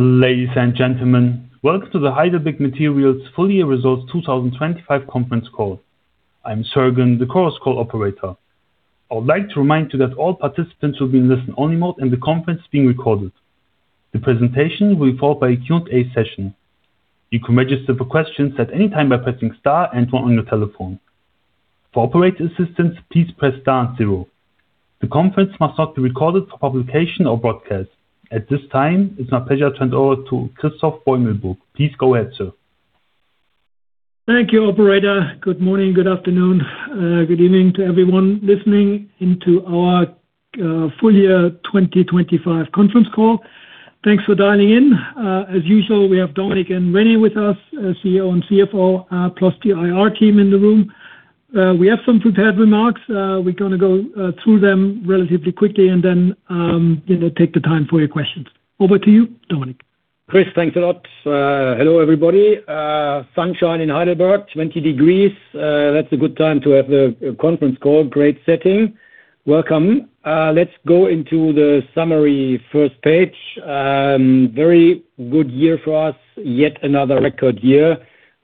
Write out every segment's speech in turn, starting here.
Ladies and gentlemen, welcome to the Heidelberg Materials Full Year Results 2025 conference call. I'm Simon, the Chorus Call operator. I would like to remind you that all participants will be in listen-only mode, and the conference is being recorded. The presentation will be followed by a Q&A session. You can register for questions at any time by pressing star and one on your telephone. For operator assistance, please press star and zero. The conference must not be recorded for publication or broadcast. At this time, it's my pleasure to hand over to Christoph Beu melburg. Please go ahead, sir. Thank you, operator. Good morning, good afternoon, good evening to everyone listening into our full year 2025 conference call. Thanks for dialing in. As usual, we have Dominik and Rene with us, CEO and CFO, plus the IR team in the room. We have some prepared remarks. We're gonna go through them relatively quickly, and then, you know, take the time for your questions. Over to you, Dominik. Chris, thanks a lot. Hello, everybody. Sunshine in Heidelberg, 20 degrees. That's a good time to have a conference call. Great setting. Welcome. Let's go into the summary first page. Very good year for us. Yet another record year.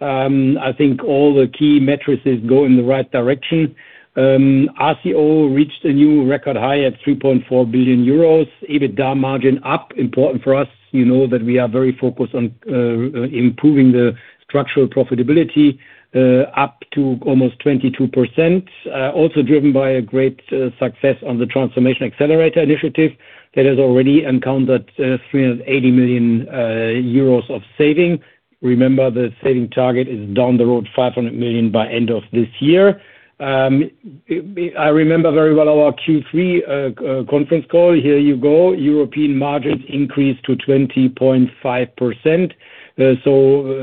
I think all the key metrics is going in the right direction. RCO reached a new record high at 3.4 billion euros. EBITDA margin up, important for us, you know that we are very focused on improving the structural profitability, up to almost 22%. Also driven by a great success on the Transformation Accelerator Initiative. That has already encountered 380 million euros of saving. Remember, the saving target is down the road, 500 million by end of this year. I remember very well our Q3 conference call. Here you go. European margins increased to 20.5%.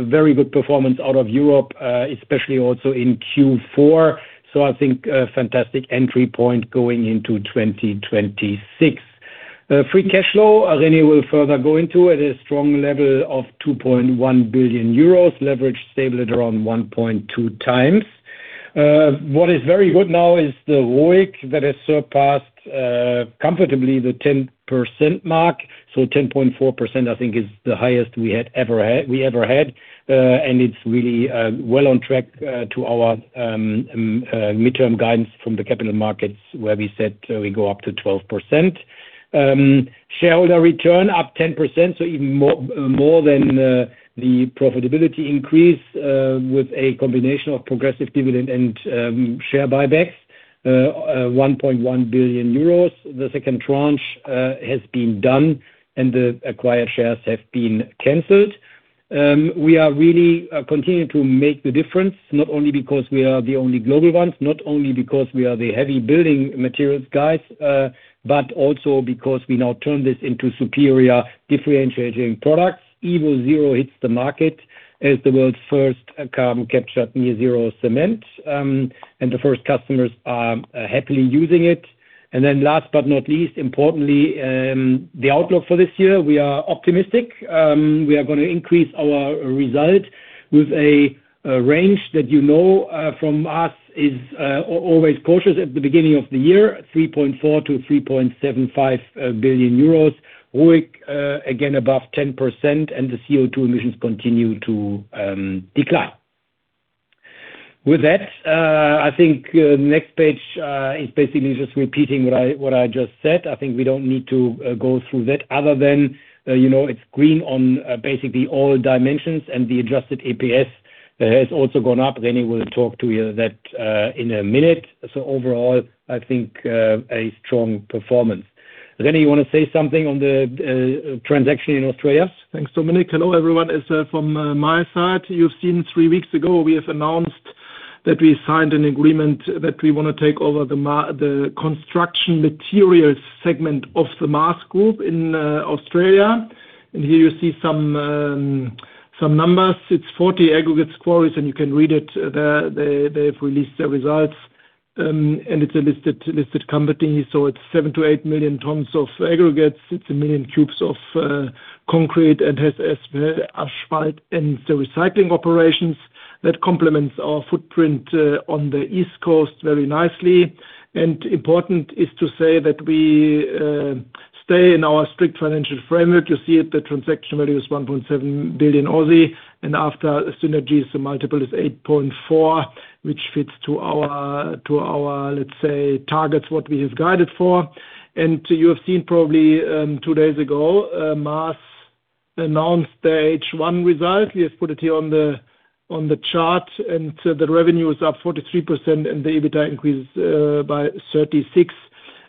Very good performance out of Europe, especially also in Q4. I think a fantastic entry point going into 2026. Free cash flow, Rene will further go into it, a strong level of 2.1 billion euros, leverage stable at around 1.2 times. What is very good now is the ROIC that has surpassed comfortably the 10% mark. 10.4%, I think, is the highest we ever had. It's really well on track to our midterm guidance from the capital markets, where we said we go up to 12%. Shareholder return up 10%, even more than the profitability increase, with a combination of progressive dividend and share buybacks, 1.1 billion euros. The second tranche has been done, the acquired shares have been canceled. We are really continuing to make the difference, not only because we are the only global ones, not only because we are the heavy building materials guys, because we now turn this into superior differentiating products. evoZero hits the market as the world's first carbon capture near Zero Cement, the first customers are happily using it. Last but not least, importantly, the outlook for this year, we are optimistic. We are gonna increase our result with a range that you know, from us is always cautious at the beginning of the year, 3.4 billion-3.75 billion euros. ROIC again above 10%, the CO2 emissions continue to decline. With that, I think next page is basically just repeating what I just said. I think we don't need to go through that other than you know, it's green on basically all dimensions, and the adjusted EPS has also gone up. Rene will talk to you that in a minute. Overall, I think a strong performance. Rene, you want to say something on the transaction in Australia? Thanks, Dominik. Hello, everyone. As from my side, you've seen 3 weeks ago, we have announced that we signed an agreement that we wanna take over the construction materials segment of the Maas Group in Australia. Here you see some numbers. It's 40 aggregates quarries, and you can read it. They've released their results, and it's a listed company, so it's 7-8 million tons of aggregates. It's 1 million cubes of concrete and has asphalt, and the recycling operations that complements our footprint on the East Coast very nicely. Important is to say that we stay in our strict financial framework. You see it, the transaction value is 1.7 billion. After synergies, the multiple is 8.4, which fits to our, let's say, our targets, what we have guided for. You have seen probably, two days ago, Maas announced the H1 result. We have put it here on the chart. The revenue is up 43%, and the EBITDA increased by 36%,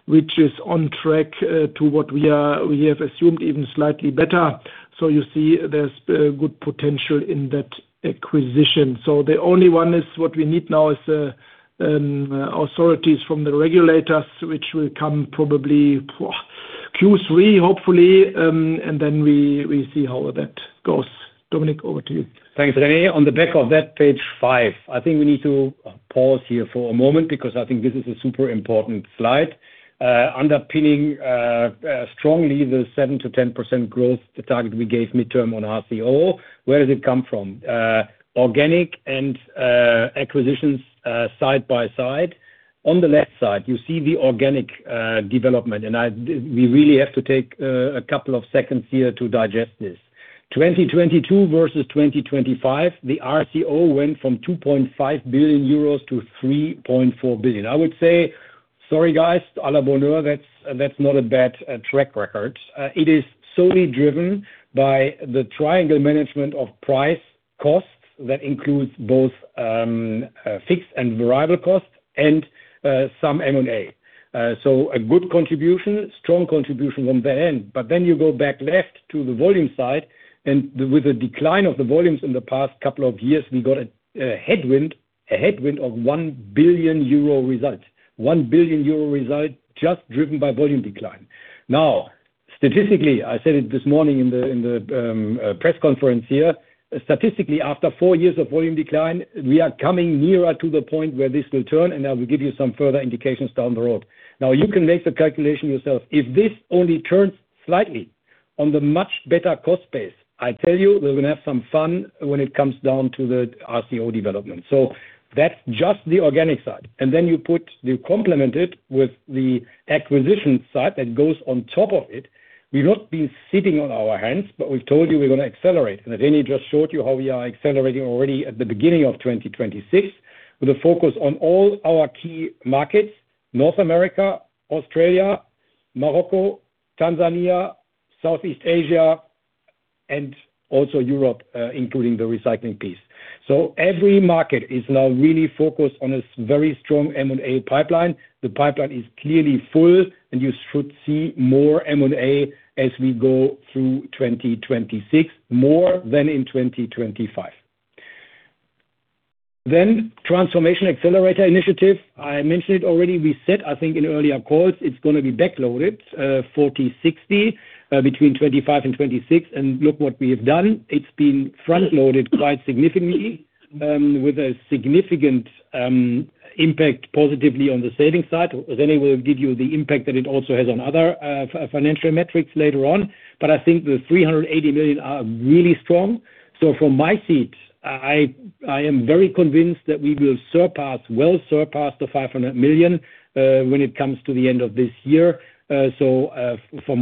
which is on track to what we have assumed even slightly better. You see there's good potential in that acquisition. The only one is what we need now is authorities from the regulators, which will come probably Q3, hopefully. We see how that goes. Dominik, over to you. Thanks, Rene. On the back of that, page 5. I think we need to pause here for a moment because I think this is a super important slide. Underpinning strongly the 7%-10% growth, the target we gave midterm on RCO. Where does it come from? Organic and acquisitions side by side. On the left side, you see the organic development, and we really have to take a couple of seconds here to digest this. 2022 versus 2025, the RCO went from 2.5 billion euros to 3.4 billion. I would say, sorry, guys, à la bonne heure, that's not a bad track record. It is solely driven by the triangle management of price costs. That includes both fixed and variable costs and some M&A. A good contribution, strong contribution from their end. You go back left to the volume side, and with the decline of the volumes in the past couple of years, we got a headwind of 1 billion euro result. 1 billion euro result just driven by volume decline. Statistically, I said it this morning in the press conference here. Statistically, after 4 years of volume decline, we are coming nearer to the point where this will turn, and I will give you some further indications down the road. You can make the calculation yourself. If this only turns slightly on the much better cost base, I tell you, we're going to have some fun when it comes down to the RCO development. That's just the organic side. You complement it with the acquisition side that goes on top of it. We've not been sitting on our hands, but we've told you we're going to accelerate, and Rene just showed you how we are accelerating already at the beginning of 2026, with a focus on all our key markets, North America, Australia, Morocco, Tanzania, Southeast Asia, and also Europe, including the recycling piece. Every market is now really focused on a very strong M&A pipeline. The pipeline is clearly full, and you should see more M&A as we go through 2026, more than in 2025. Transformation Accelerator Initiative. I mentioned it already. We said, I think in earlier calls, it's going to be backloaded, 40/60, between 25 and 26, and look what we have done. It's been front loaded quite significantly, with a significant impact positively on the savings side. René will give you the impact that it also has on other financial metrics later on, but I think the 380 million are really strong. From my seat, I am very convinced that we will surpass, well surpass the 500 million when it comes to the end of this year. From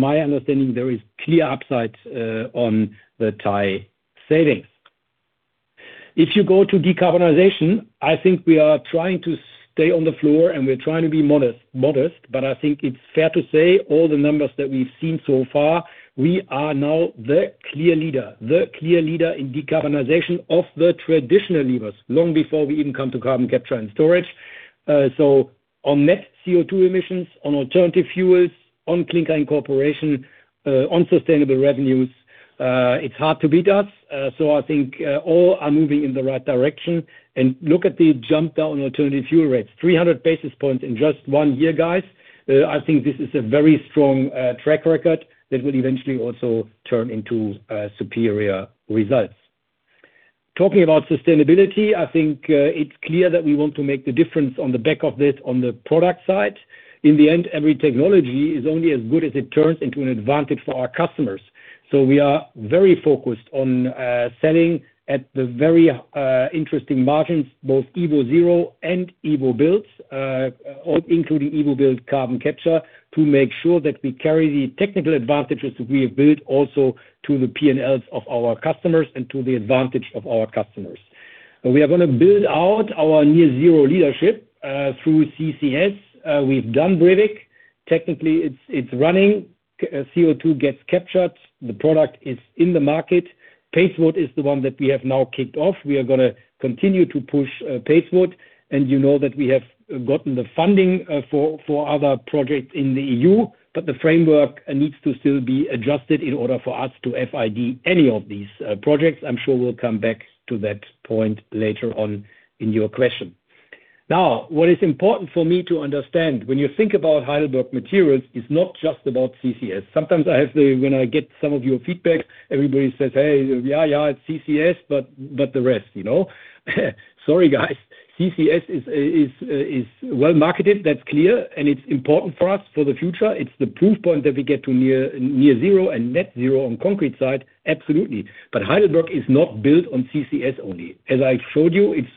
my understanding, there is clear upsides on the TIE savings. If you go to decarbonization, I think we are trying to stay on the floor, and we're trying to be modest, but I think it's fair to say all the numbers that we've seen so far, we are now the clear leader in decarbonization of the traditional levers, long before we even come to carbon capture and storage. So on net CO2 emissions, on alternative fuels, on clinker incorporation, on sustainable revenues, it's hard to beat us. So I think all are moving in the right direction. Look at the jump down alternative fuel rates, 300 basis points in just one year, guys. I think this is a very strong track record that will eventually also turn into superior results. ** Talking about sustainability, I think, it's clear that we want to make the difference on the back of this, on the product side. In the end, every technology is only as good as it turns into an advantage for our customers. So we are very focused on selling at the very interesting margins, both evoZero and evoBuild, all including evoBuild carbon capture, to make sure that we carry the technical advantages that we have built also to the P&Ls of our customers and to the advantage of our customers. We are going to build out our near zero leadership through CCS. We've done Brevik. Technically, it's running. CO2 gets captured. The product is in the market. Padeswood is the one that we have now kicked off. We are going to continue to push Padeswood, and you know that we have gotten the funding for other projects in the EU, but the framework needs to still be adjusted in order for us to FID any of these projects. I'm sure we'll come back to that point later on in your question. What is important for me to understand, when you think about Heidelberg Materials, it's not just about CCS. Sometimes when I get some of your feedback, everybody says, "Hey, yeah, it's CCS." The rest, you know? Sorry, guys. CCS is well marketed, that's clear, and it's important for us for the future. It's the proof point that we get to near zero and net zero on concrete side, absolutely. Heidelberg is not built on CCS only. As I showed you, it's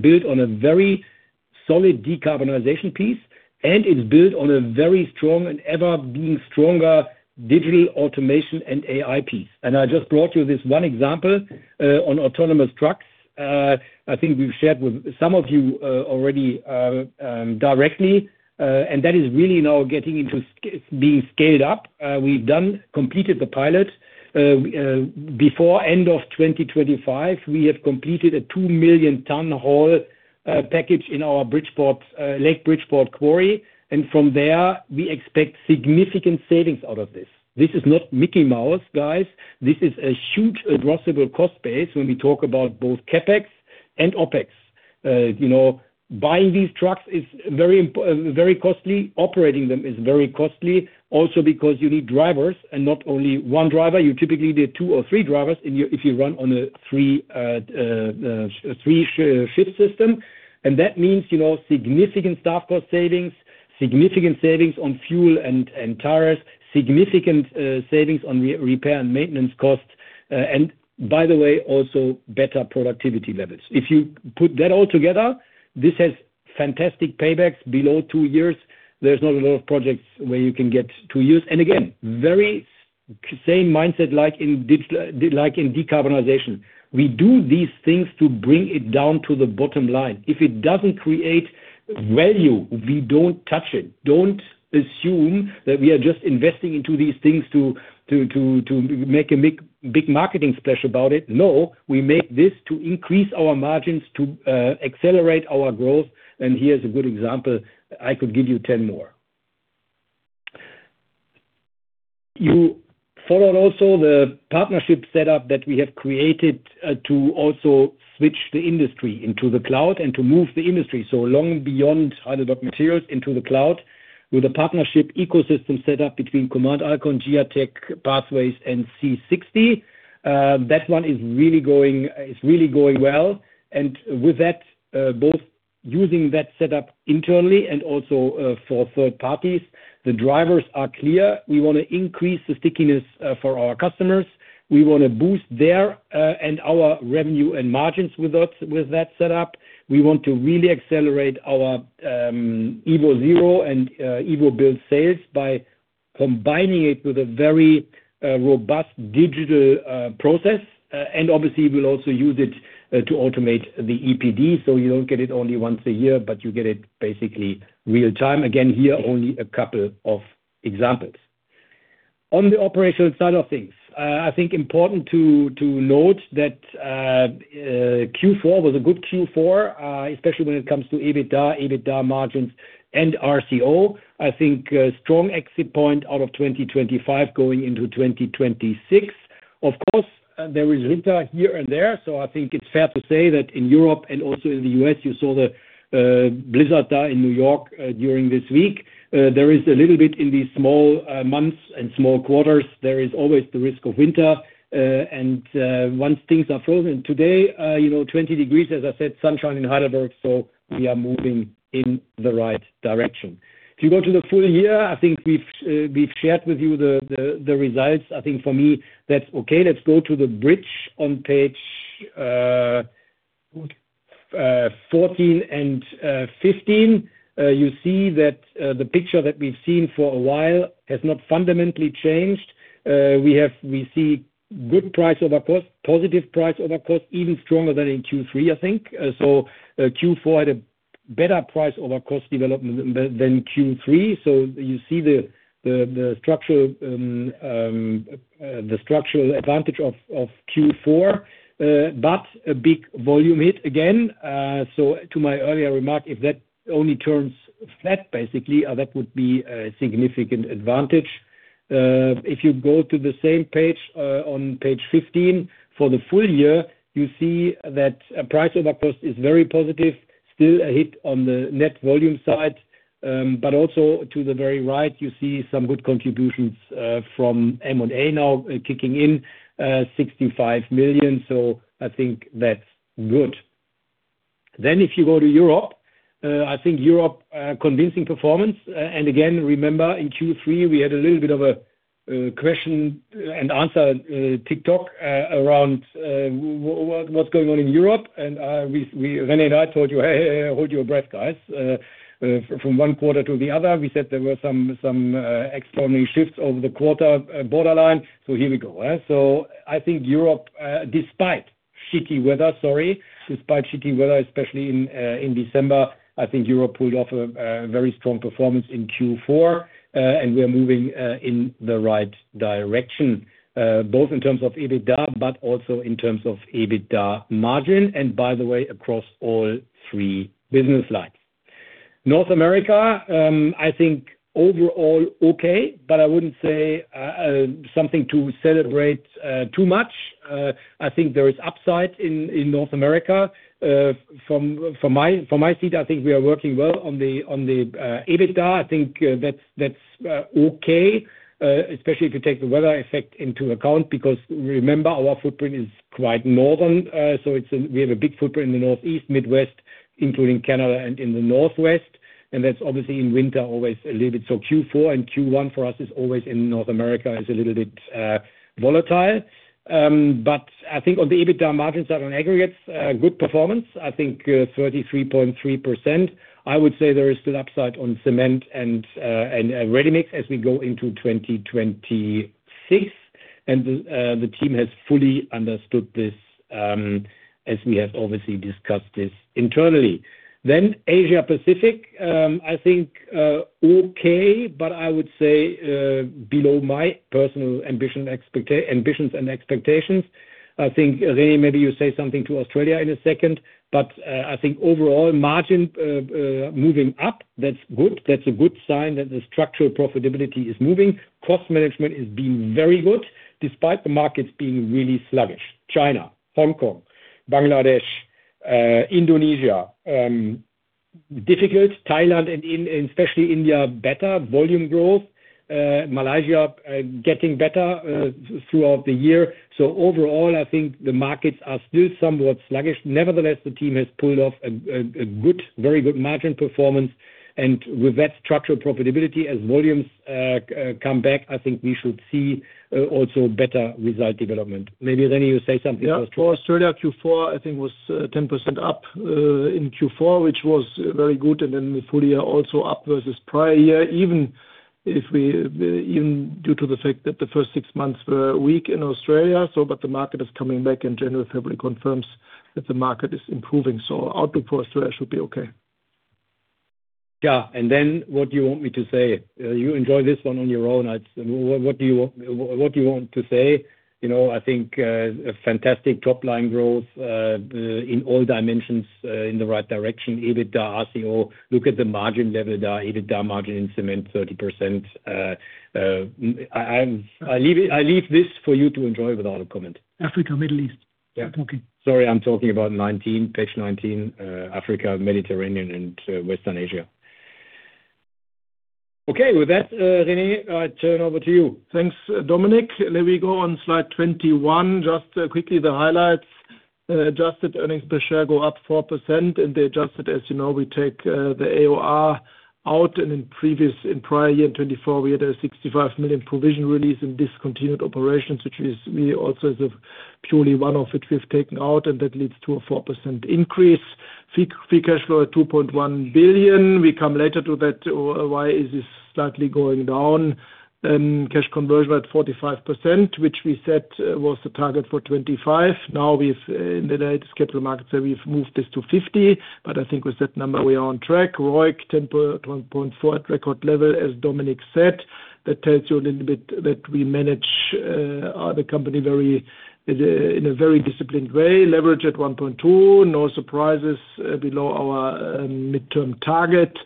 built on a very solid decarbonization piece, it's built on a very strong and ever being stronger digital automation and AI piece. I just brought you this one example on autonomous trucks. I think we've shared with some of you already directly, and that is really now getting into being scaled up. We've completed the pilot. Before end of 2025, we have completed a 2 million tons haul package in our Bridgeport Lake Bridgeport quarry, and from there we expect significant savings out of this. This is not Mickey Mouse, guys. This is a huge addressable cost base when we talk about both CapEx and OpEx. You know, buying these trucks is very costly. Operating them is very costly also because you need drivers and not only one driver, you typically need two or three drivers if you run on a three shift system. That means, you know, significant staff cost savings. significant savings on fuel and tires, significant savings on repair and maintenance costs, and by the way, also better productivity levels. If you put that all together, this has fantastic paybacks below two years. There's not a lot of projects where you can get two years. Again, very same mindset, like in decarbonization. We do these things to bring it down to the bottom line. If it doesn't create value, we don't touch it. Don't assume that we are just investing into these things to make a big, big marketing splash about it. No, we make this to increase our margins, to accelerate our growth, and here's a good example. I could give you 10 more. You followed also the partnership setup that we have created to also switch the industry into the cloud and to move the industry so long beyond Heidelberg Materials into the cloud, with a partnership ecosystem set up between Command Alkon, Giatec, Pavewise, and C60. That one is really going well, and with that both using that setup internally and also for third parties, the drivers are clear. We want to increase the stickiness for our customers. We want to boost their and our revenue and margins with us, with that setup. We want to really accelerate our evoZero and evoBuild sales by combining it with a very robust digital process. Obviously, we'll also use it to automate the EPD, so you don't get it only once a year, but you get it basically real time. Again, here, only a couple of examples. On the operational side of things, I think important to note that Q4 was a good Q4, especially when it comes to EBITDA margins, and RCO. I think a strong exit point out of 2025 going into 2026. Of course, there is winter here and there, so I think it's fair to say that in Europe and also in the U.S., you saw the blizzard in New York during this week. There is a little bit in these small months and small quarters, there is always the risk of winter, and once things are frozen. Today, you know, 20 degrees, as I said, sunshine in Heidelberg. We are moving in the right direction. If you go to the full year, I think we've shared with you the results. I think for me, that's okay. Let's go to the bridge on page 14 and 15. You see that the picture that we've seen for a while has not fundamentally changed. We see good price over cost, positive price over cost, even stronger than in Q3, I think. Q4 had a better price over cost development than Q3. You see the structural, the structural advantage of Q4, but a big volume hit again. To my earlier remark, if that only turns flat, basically, that would be a significant advantage. If you go to the same page, on page 15, for the full year, you see that price over cost is very positive, still a hit on the net volume side, also to the very right, you see some good contributions from M&A now kicking in, 65 million. I think that's good. If you go to Europe, I think Europe, convincing performance. Again, remember in Q3, we had a little bit of a question and answer TikTok around what's going on in Europe. We, Rene and I told you, "Hey, hold your breath, guys." From one quarter to the other, we said there were some extraordinary shifts over the quarter, borderline. Here we go. I think Europe, despite bad weather, sorry, despite bad weather, especially in December, I think Europe pulled off a very strong performance in Q4. We are moving in the right direction, both in terms of EBITDA, but also in terms of EBITDA margin, and by the way, across all three business lines. North America, I think overall, okay, but I wouldn't say something to celebrate too much. I think there is upside in North America, from my seat, I think we are working well on the EBITDA. I think that's okay, especially if you take the weather effect into account, because remember, our footprint is quite northern. We have a big footprint in the Northeast, Midwest, including Canada and in the Northwest, and that's obviously in winter always a little bit... Q4 and Q1 for us is always in North America, is a little bit volatile. I think on the EBITDA margins that on aggregates, good performance, I think 33.3%. I would say there is still upside on cement and ready-mix as we go into 2026. The team has fully understood this as we have obviously discussed this internally. Asia Pacific, I think, okay, but I would say below my personal ambitions and expectations. I think, Rene, maybe you say something to Australia in a second, but I think overall margin moving up, that's good. That's a good sign that the structural profitability is moving. Cost management is being very good, despite the markets being really sluggish. China, Hong Kong, Bangladesh, Indonesia, difficult. Thailand and especially India, better volume growth, Malaysia, getting better throughout the year. Overall, I think the markets are still somewhat sluggish. Nevertheless, the team has pulled off a good, very good margin performance. With that structural profitability as volumes come back, I think we should see also better result development. Maybe, Rene, you say something first. For Australia, Q4, I think, was 10% up in Q4, which was very good, and then the full year also up versus prior year. Even if we, even due to the fact that the first six months were weak in Australia, so but the market is coming back, and January, February confirms that the market is improving, so outlook for Australia should be okay. What do you want me to say? You enjoy this one on your own. What do you want, what do you want to say? You know, I think a fantastic top-line growth in all dimensions in the right direction. EBITDA, RCO, look at the margin level there, EBITDA margin in cement, 30%. I'm, I leave this for you to enjoy without a comment. Africa, Middle East. Yeah. Okay. Sorry, I'm talking about 19, page 19, Africa, Mediterranean, and Western Asia. With that, Rene, I turn over to you. Thanks, Dominic. Let me go on slide 21. Just quickly, the highlights. Adjusted earnings per share go up 4%. The adjusted, as you know, we take the AOR out. In previous, in prior year, 2024, we had a 65 million provision release in discontinued operations, which is really also is a purely one of which we've taken out. That leads to a 4% increase. Free cash flow, 2.1 billion. We come later to that, why is this slightly going down? Cash conversion at 45%, which we said was the target for 2025. We've in the latest capital markets, so we've moved this to 50%. But I think with that number, we are on track. ROIC, 10 point, 1.4 at record level, as Dominic said. That tells you a little bit that we manage the company very in a very disciplined way. Leverage at 1.2, no surprises, below our midterm target.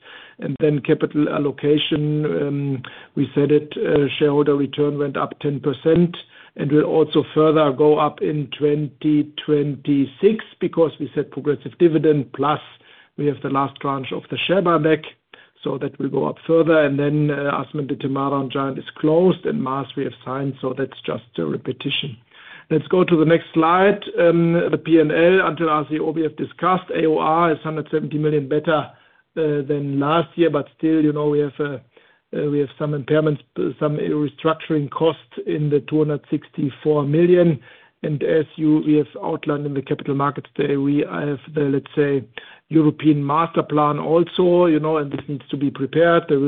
Capital allocation, we said it, shareholder return went up 10% and will also further go up in 2026 because we set progressive dividend, plus we have the last tranche of the share buyback, so that will go up further. Asmenta Tamaran joint is closed, and Maas we have signed, so that's just a repetition. Let's go to the next slide. The P&L, until RCO, we have discussed. AOR is 170 million better than last year, but still, you know, we have some impairments, some restructuring costs in the 264 million. As you, we have outlined in the Capital Markets today, we have, let's say, European master plan also, you know, and this needs to be prepared. There,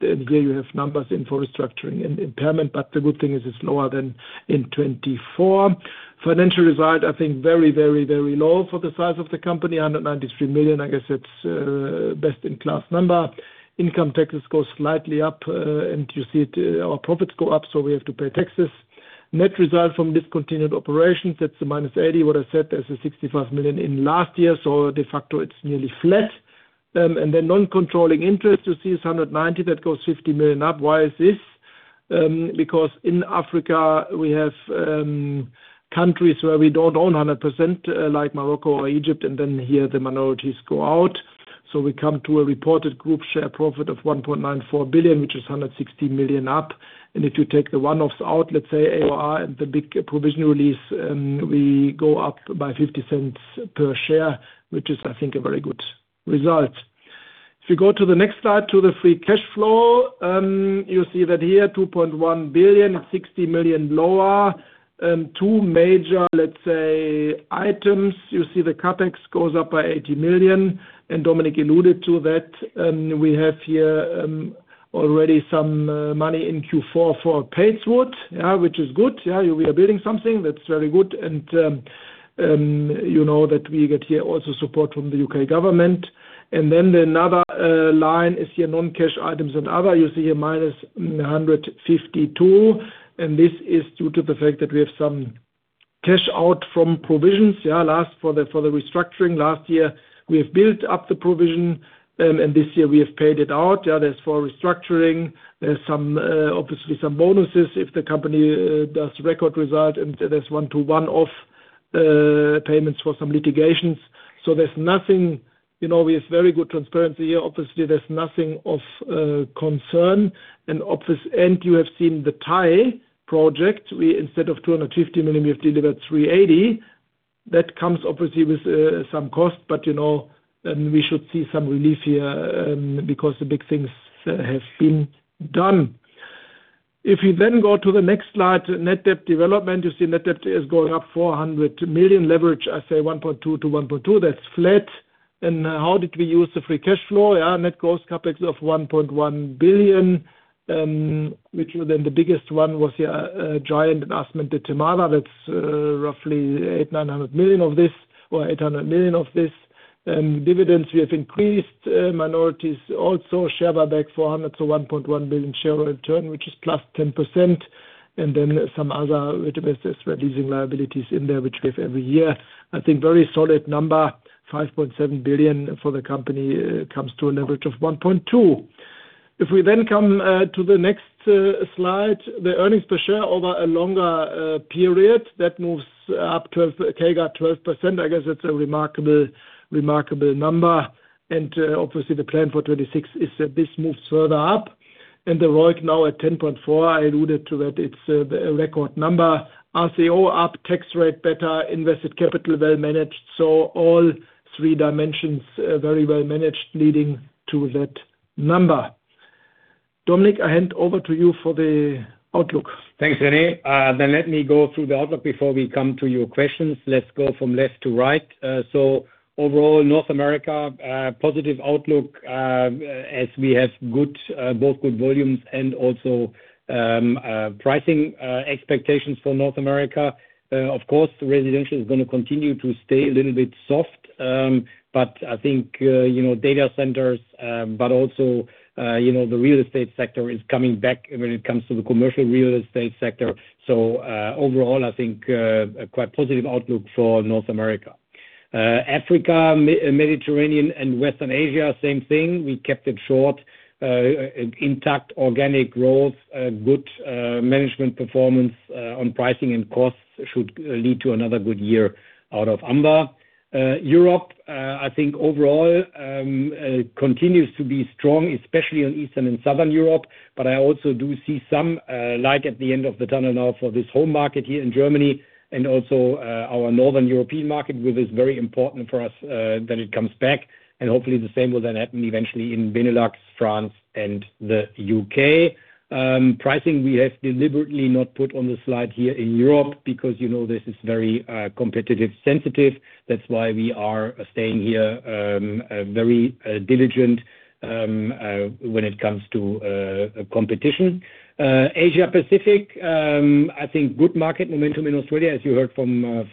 there you have numbers in for restructuring and impairment, but the good thing is it's lower than in 2024. Financial result, I think, very, very, very low for the size of the company, 193 million. I guess it's best-in-class number. Income taxes go slightly up, you see it, our profits go up, so we have to pay taxes. Net result from discontinued operations, that's the -80. What I said, there's a 65 million in last year, so de facto, it's nearly flat. Then non-controlling interest, you see, is 190 million. That goes 50 million up. Why is this? Because in Africa, we have countries where we don't own 100%, like Morocco or Egypt. Here, the minorities go out. We come to a reported group share profit of 1.94 billion, which is 160 million up. If you take the one-offs out, let's say AOR and the big provision release, we go up by 0.50 per share, which is, I think, a very good result. If you go to the next slide, to the free cash flow, you see that here, 2.1 billion, 60 million lower. Two major, let's say, items. You see the CapEx goes up by 80 million. Dominic alluded to that. We have here already some money in Q4 for Padeswood, which is good. Yeah, we are building something that's very good, you know that we get here also support from the U.K. government. Another line is here, non-cash items and other. You see here, minus 152, this is due to the fact that we have some cash out from provisions. Yeah, last for the restructuring last year, we have built up the provision, this year we have paid it out. Yeah, that's for restructuring. There's some obviously some bonuses if the company does record result, there's one-to-one-off payments for some litigations. There's nothing, you know, we have very good transparency here. Obviously, there's nothing of concern, and you have seen the Thai project. We, instead of 250 million, we have delivered 380. That comes obviously with some cost, but, you know, we should see some relief here because the big things have been done. If you go to the next slide, net debt development, you see net debt is going up 400 million leverage, I say 1.2-1.2. That's flat. How did we use the free cash flow? Net gross CapEx of 1.1 billion, which was the biggest one was, giant investment, the Tamala. That's roughly 8, 900 million of this, or 800 million of this. Dividends, we have increased, minorities, also share buyback 400, so 1.1 billion share return, which is +10%. Then some other investors releasing liabilities in there, which we have every year. I think very solid number, 5.7 billion for the company, comes to a leverage of 1.2. If we then come to the next slide, the earnings per share over a longer period. That moves up 12%. I guess it's a remarkable number. Obviously, the plan for 2026 is that this moves further up. The ROIC now at 10.4%. I alluded to that. It's a record number. RCO up, tax rate better, invested capital well managed. All three dimensions very well managed, leading to that number. Dominic, I hand over to you for the outlook. Thanks, Rene. Let me go through the outlook before we come to your questions. Let's go from left to right. Overall, North America, positive outlook, as we have good, both good volumes and also pricing expectations for North America. Of course, residential is gonna continue to stay a little bit soft, but I think, you know, data centers, but also, you know, the real estate sector is coming back when it comes to the commercial real estate sector. Overall, I think a quite positive outlook for North America. Africa, Mediterranean and Western Asia, same thing. We kept it short, intact, organic growth, good management performance on pricing and costs should lead to another good year out of AMBA. Europe, I think overall, continues to be strong, especially in Eastern and Southern Europe. I also do see some light at the end of the tunnel now for this home market here in Germany, and also our Northern European market, which is very important for us, that it comes back. Hopefully the same will then happen eventually in Benelux, France, and the U.K. Pricing, we have deliberately not put on the slide here in Europe because, you know, this is very competitive sensitive. That's why we are staying here very diligent when it comes to competition. Asia Pacific, I think good market momentum in Australia, as you heard from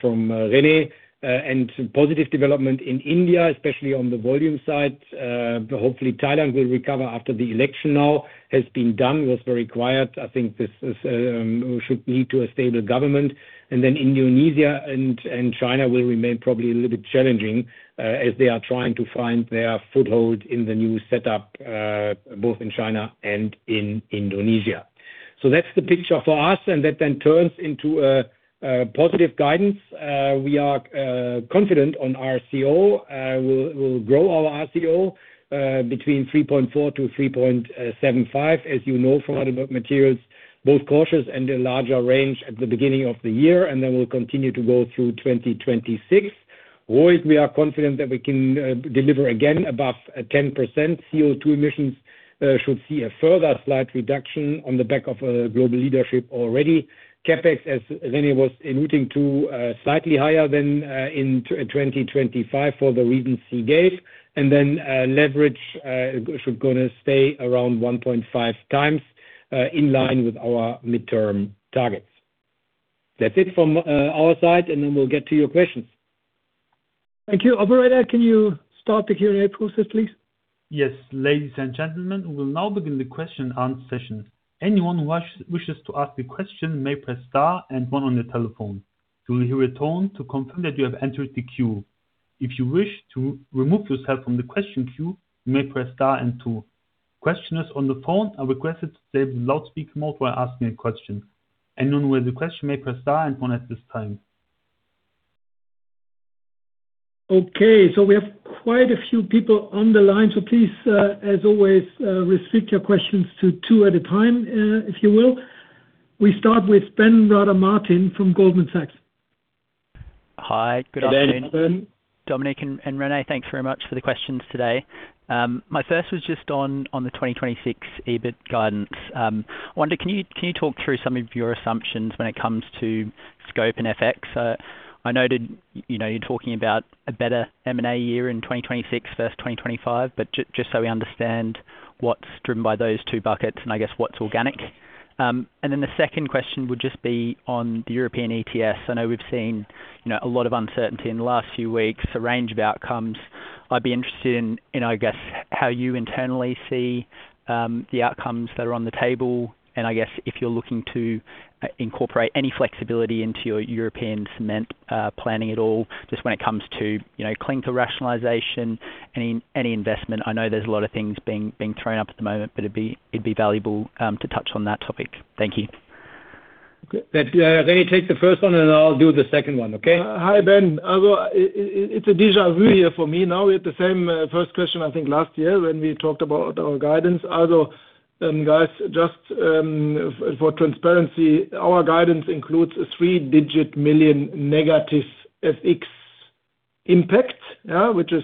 Rene, positive development in India, especially on the volume side. Hopefully Thailand will recover after the election now has been done, was very quiet. I think this is should lead to a stable government. Indonesia and China will remain probably a little bit challenging as they are trying to find their foothold in the new setup both in China and in Indonesia. That's the picture for us, and that then turns into a positive guidance. We are confident on RCO. We'll grow our RCO between 3.4%-3.75%. As you know, from other materials, both cautious and a larger range at the beginning of the year, and then we'll continue to go through 2026. ROIC, we are confident that we can deliver again above 10%. CO2 emissions should see a further slight reduction on the back of a global leadership already. CapEx, as Rene was alluding to, slightly higher than in 2025 for the reasons he gave. Leverage should gonna stay around 1.5 times in line with our midterm targets. That's it from our side, and then we'll get to your questions. Thank you. Operator, can you start the Q&A process, please? Ladies and gentlemen, we will now begin the question and answer session. Anyone who wishes to ask a question may press star 1 on your telephone. You will hear a tone to confirm that you have entered the queue. If you wish to remove yourself from the question queue, you may press star 2. Questioners on the phone are requested to stay in the loudspeaker mode while asking a question. Anyone with a question may press star 1 at this time. Okay, we have quite a few people on the line. Please, as always, restrict your questions to 2 at a time, if you will. We start with Benjamin Rada Martin from Goldman Sachs. Hi, good afternoon. Hey, Ben. Dominic and Rene, thanks very much for the questions today. My first was just on the 2026 EBIT guidance. I wonder, can you talk through some of your assumptions when it comes to scope and FX? I noted, you know, you're talking about a better M&A year in 2026 versus 2025, just so we understand what's driven by those two buckets, and I guess what's organic. Then the second question would just be on the European ETS. I know we've seen, you know, a lot of uncertainty in the last few weeks, a range of outcomes. I'd be interested in, I guess, how you internally see the outcomes that are on the table, and I guess if you're looking to incorporate any flexibility into your European cement planning at all, just when it comes to, you know, clinker rationalization, any investment. I know there's a lot of things being thrown up at the moment, but it'd be valuable to touch on that topic. Thank you. Good. That, let me take the first one, and I'll do the second one, okay? Hi, Ben. It's a deja vu here for me now. We had the same first question, I think, last year when we talked about our guidance. Although, guys, just for transparency, our guidance includes a EUR three-digit million negative FX impact, which is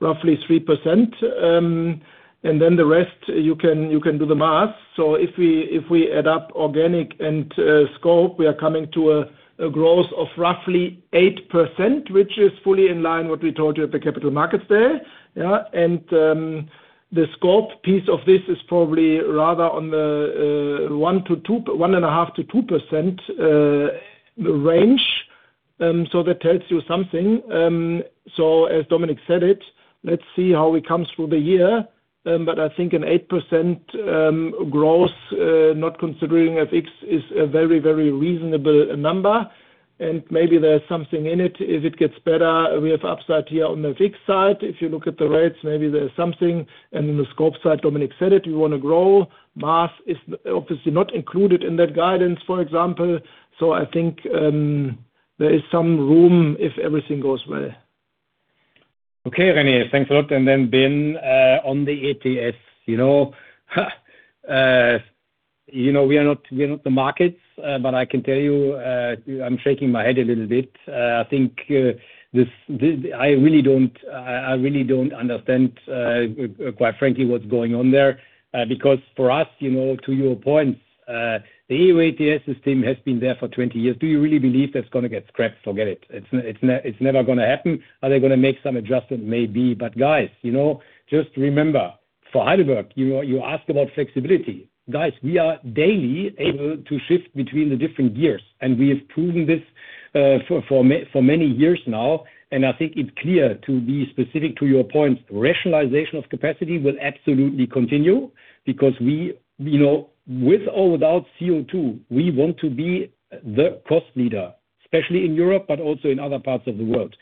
roughly 3%. The rest, you can do the math. If we add up organic and scope, we are coming to a growth of roughly 8%, which is fully in line what we told you at the capital markets there. The scope piece of this is probably rather on the 1% to 2%, 1.5% to 2% range. That tells you something. As Dominic said it, let's see how it comes through the year. I think an 8% growth, not considering FX, is a very, very reasonable number. Maybe there's something in it. If it gets better, we have upside here on the fixed side. If you look at the rates, maybe there's something. In the scope side, Dominic said it, we wanna grow. MAF is obviously not included in that guidance, for example. I think there is some room if everything goes well. Okay, Rene, thanks a lot. Ben, on the ETS, you know, you know, we are not, we are not the markets, but I can tell you, I'm shaking my head a little bit. I think, this I really don't, I really don't understand, quite frankly, what's going on there. Because for us, you know, to your point, the EU ETS system has been there for 20 years. Do you really believe that's gonna get scrapped? Forget it. It's, it's never gonna happen. Are they gonna make some adjustments? Maybe. Guys, you know, just remember, for Heidelberg, you ask about flexibility. Guys, we are daily able to shift between the different gears, and we have proven this, for many years now. I think it's clear, to be specific to your point, rationalization of capacity will absolutely continue because we, you know, with or without CO2, we want to be the cost leader, especially in Europe, but also in other parts of the world.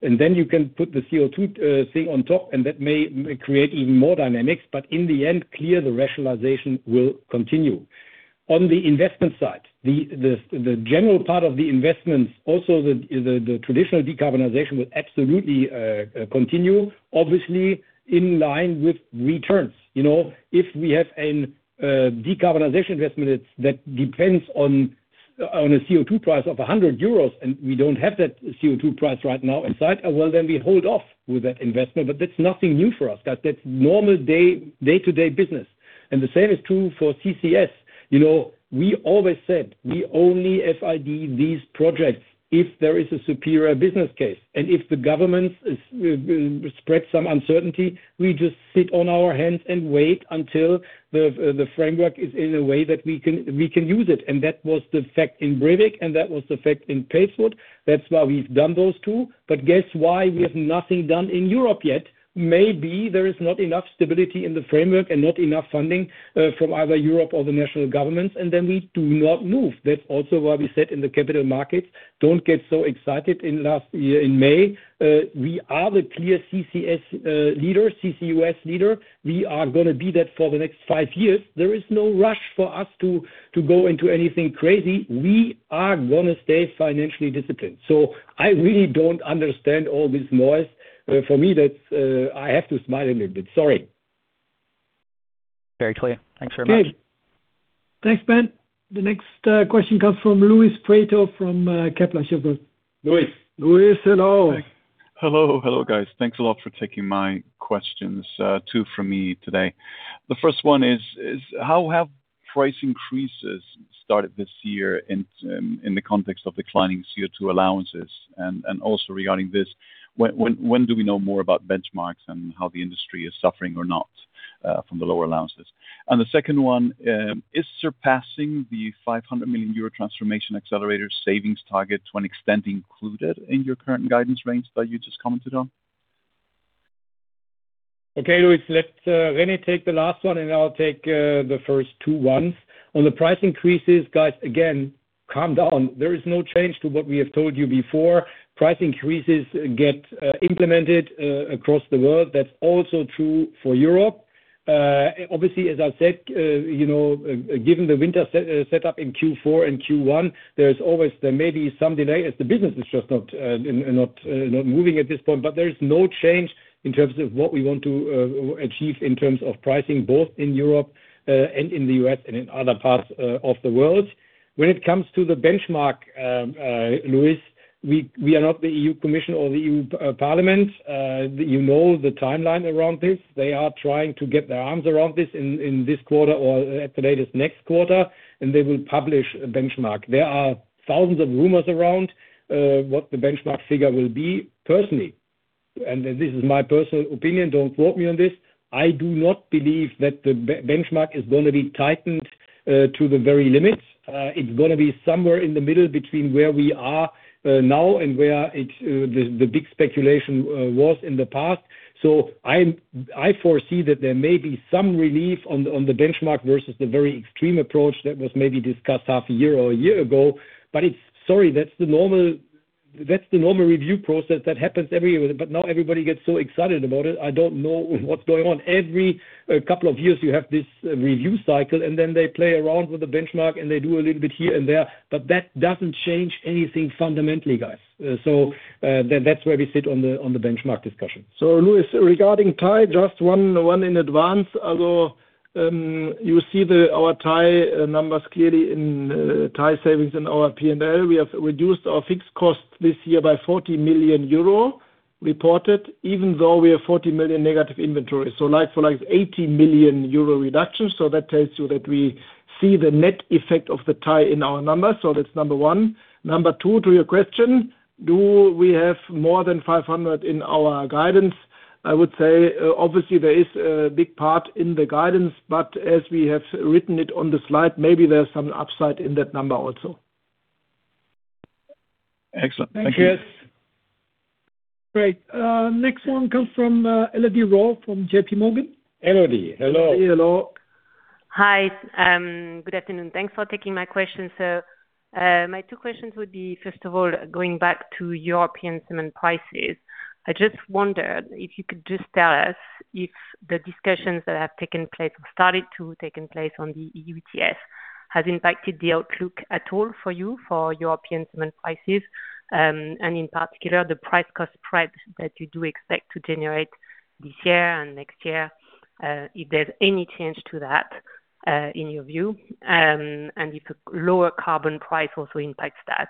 You can put the CO2 thing on top, and that may create even more dynamics. In the end, clear, the rationalization will continue. On the investment side, the general part of the investments, also the traditional decarbonization, will absolutely continue, obviously in line with returns. You know, if we have a decarbonization investment that depends on a CO2 price of 100 euros, and we don't have that CO2 price right now in sight, we hold off with that investment. That's nothing new for us. That's normal day-to-day business. The same is true for CCS. You know, we always said we only FID these projects if there is a superior business case. If the government is spread some uncertainty, we just sit on our hands and wait until the framework is in a way that we can use it. That was the fact in Brevik, and that was the fact in Padeswood. That's why we've done those two. Guess why we have nothing done in Europe yet? Maybe there is not enough stability in the framework and not enough funding from either Europe or the national governments, we do not move. That's also why we said in the capital markets, "Don't get so excited," in last year in May. We are the clear CCS leader, CCUS leader. We are gonna be that for the next five years. There is no rush for us to go into anything crazy. We are gonna stay financially disciplined. I really don't understand all this noise. For me, that's, I have to smile a little bit. Sorry. Very clear. Thanks very much. Okay. Thanks, Ben. The next question comes from Luis Prieto from Kepler Cheuvreux. Luis. Luis, hello. Hello, hello, guys. Thanks a lot for taking my questions, two from me today. The first one is how have price increases started this year in the context of declining CO2 allowances? Also regarding this, when do we know more about benchmarks and how the industry is suffering or not from the lower allowances? The second one is surpassing the 500 million euro Transformation Accelerator savings target to an extent included in your current guidance range that you just commented on? Okay, Luis. Let's Rene take the last one, and I'll take the first two ones. On the price increases, guys, again, calm down. There is no change to what we have told you before. Price increases get implemented across the world. That's also true for Europe. Obviously, as I said, you know, given the winter set up in Q4 and Q1, there's always, there may be some delay as the business is just not moving at this point. But there is no change in terms of what we want to achieve in terms of pricing, both in Europe and in the US and in other parts of the world. When it comes to the benchmark, Luis, we are not the European Commission or the EU Parliament. You know the timeline around this. They are trying to get their arms around this in this quarter or at the latest, next quarter, and they will publish a benchmark. There are thousands of rumors around what the benchmark figure will be. Personally, and this is my personal opinion, don't quote me on this, I do not believe that the benchmark is gonna be tightened to the very limits. It's gonna be somewhere in the middle between where we are now and where it the the big speculation was in the past. I foresee that there may be some relief on the, on the benchmark versus the very extreme approach that was maybe discussed half a year or a year ago. It's. Sorry, that's the normal review process that happens every year. Now everybody gets so excited about it. I don't know what's going on. Every couple of years, you have this review cycle. Then they play around with the benchmark, and they do a little bit here and there. That doesn't change anything fundamentally, guys. Then that's where we sit on the benchmark discussion. Luis, regarding TIE, just one in advance. Although, you see our TIE numbers clearly in TIE savings in our P&L. We have reduced our fixed cost this year by 40 million euro reported, even though we have 40 million negative inventory. Like for like 80 million euro reduction. That tells you that we see the net effect of the TIE in our numbers. That's number one. Number two, to your question, do we have more than 500 in our guidance? I would say, obviously there is a big part in the guidance, but as we have written it on the slide, maybe there's some upside in that number also. Excellent. Thank you. Great. Next one comes from Elodie Rall from J.P. Morgan. Elodie, hello. Hello. Hi, good afternoon. Thanks for taking my question, sir. My two questions would be, first of all, going back to European cement prices. I just wondered if you could just tell us if the discussions that have taken place or started to taken place on the EU ETS has impacted the outlook at all for you, for European cement prices, and in particular, the price cost spread that you do expect to generate this year and next year, if there's any change to that, in your view, and if a lower carbon price also impacts that?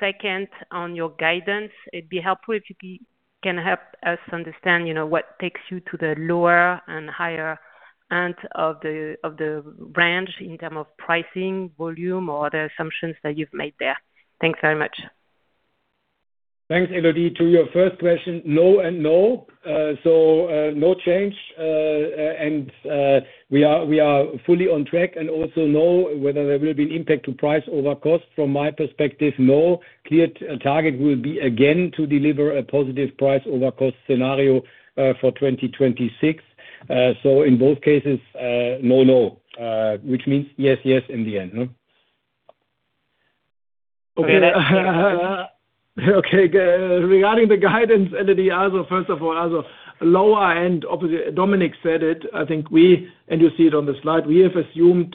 Second, on your guidance, it'd be helpful if you can help us understand, you know, what takes you to the lower and higher end of the, of the range in term of pricing, volume, or other assumptions that you've made there. Thanks very much. Thanks, Elodie. To your first question, no, and no. No change, and we are, we are fully on track and also, no, whether there will be an impact to price over cost, from my perspective, no. Clear target will be again, to deliver a positive price over cost scenario, for 2026. In both cases, no, which means yes, in the end, no? Okay, Okay, regarding the guidance, Elodie, also, first of all, as a lower end, obviously, Dominic said it. I think we, and you see it on the slide. We have assumed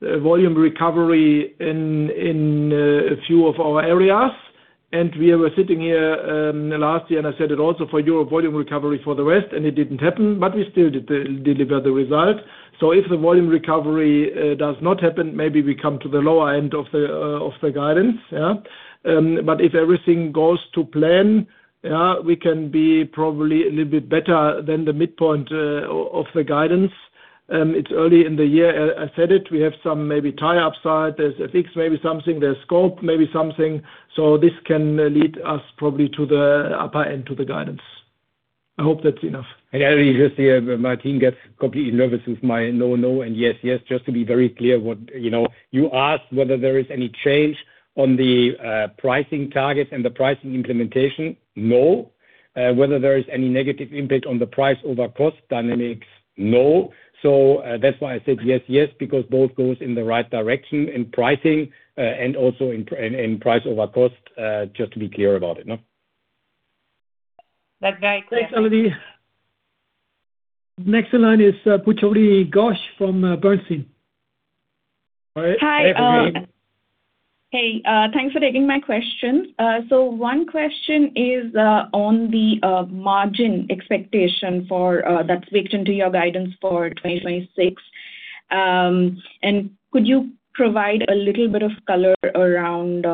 volume recovery in a few of our areas, and we are sitting here last year. I said it also for Europe, volume recovery for the rest, and it didn't happen, but we still delivered the result. If the volume recovery does not happen, maybe we come to the lower end of the guidance. Yeah. If everything goes to plan, yeah, we can be probably a little bit better than the midpoint of the guidance. It's early in the year. I said it. We have some maybe TIE upside. There's, I think maybe something, there's scope, maybe something. This can lead us probably to the upper end, to the guidance. I hope that's enough. Elodie, you see, my team gets completely nervous with my no, and yes. Just to be very clear, you know, you asked whether there is any change on the pricing target and the pricing implementation, no. Whether there is any negative impact on the price over cost dynamics, no. That's why I said yes, because both goes in the right direction in pricing and also in price over cost, just to be clear about it, no? That's very clear. Thanks, Elodie. Next in line is Pujarini Ghosh from Bernstein. Hi, Puchali. Hi. Hey, thanks for taking my questions. One question is on the margin expectation for that's baked into your guidance for 2026. Could you provide a little bit of color around,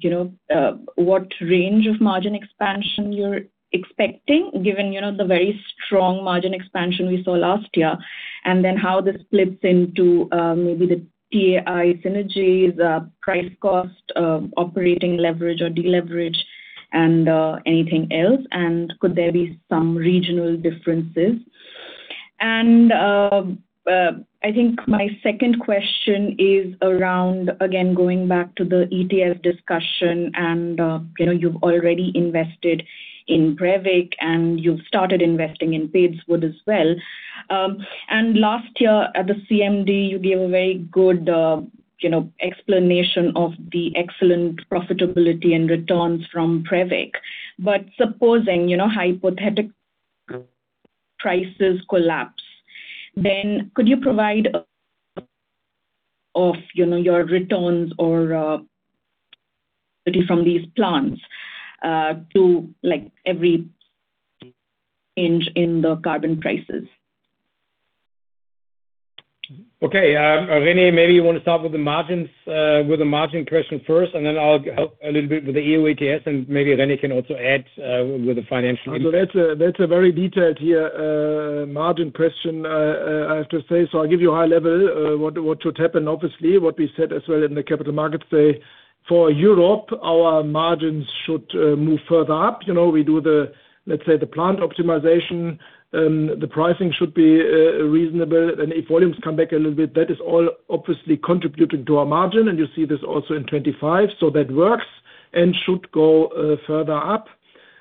you know, what range of margin expansion you're expecting, given, you know, the very strong margin expansion we saw last year? How this splits into maybe the TIE synergies, price, cost, operating leverage or deleverage, and anything else. Could there be some regional differences? I think my second question is around, again, going back to the ETS discussion, you know, you've already invested in Brevik, and you've started investing in Padeswood as well. Last year at the CMD, you gave a very good, you know, explanation of the excellent profitability and returns from Prevezag. Supposing, you know, hypothetical prices collapse, then could you provide of, you know, your returns or, from these plants, to, like, every inch in the carbon prices? Okay, Rene, maybe you want to start with the margins, with the margin question first, and then I'll help a little bit with the EU ETS, and maybe Rene can also add, with the financial. That's a, that's a very detailed here margin question. I have to say, I'll give you a high level what should happen, obviously, what we said as well in the capital markets day. For Europe, our margins should move further up. You know, we do the, let's say, the plant optimization, the pricing should be reasonable, and if volumes come back a little bit, that is all obviously contributing to our margin, and you see this also in 25. That works and should go further up.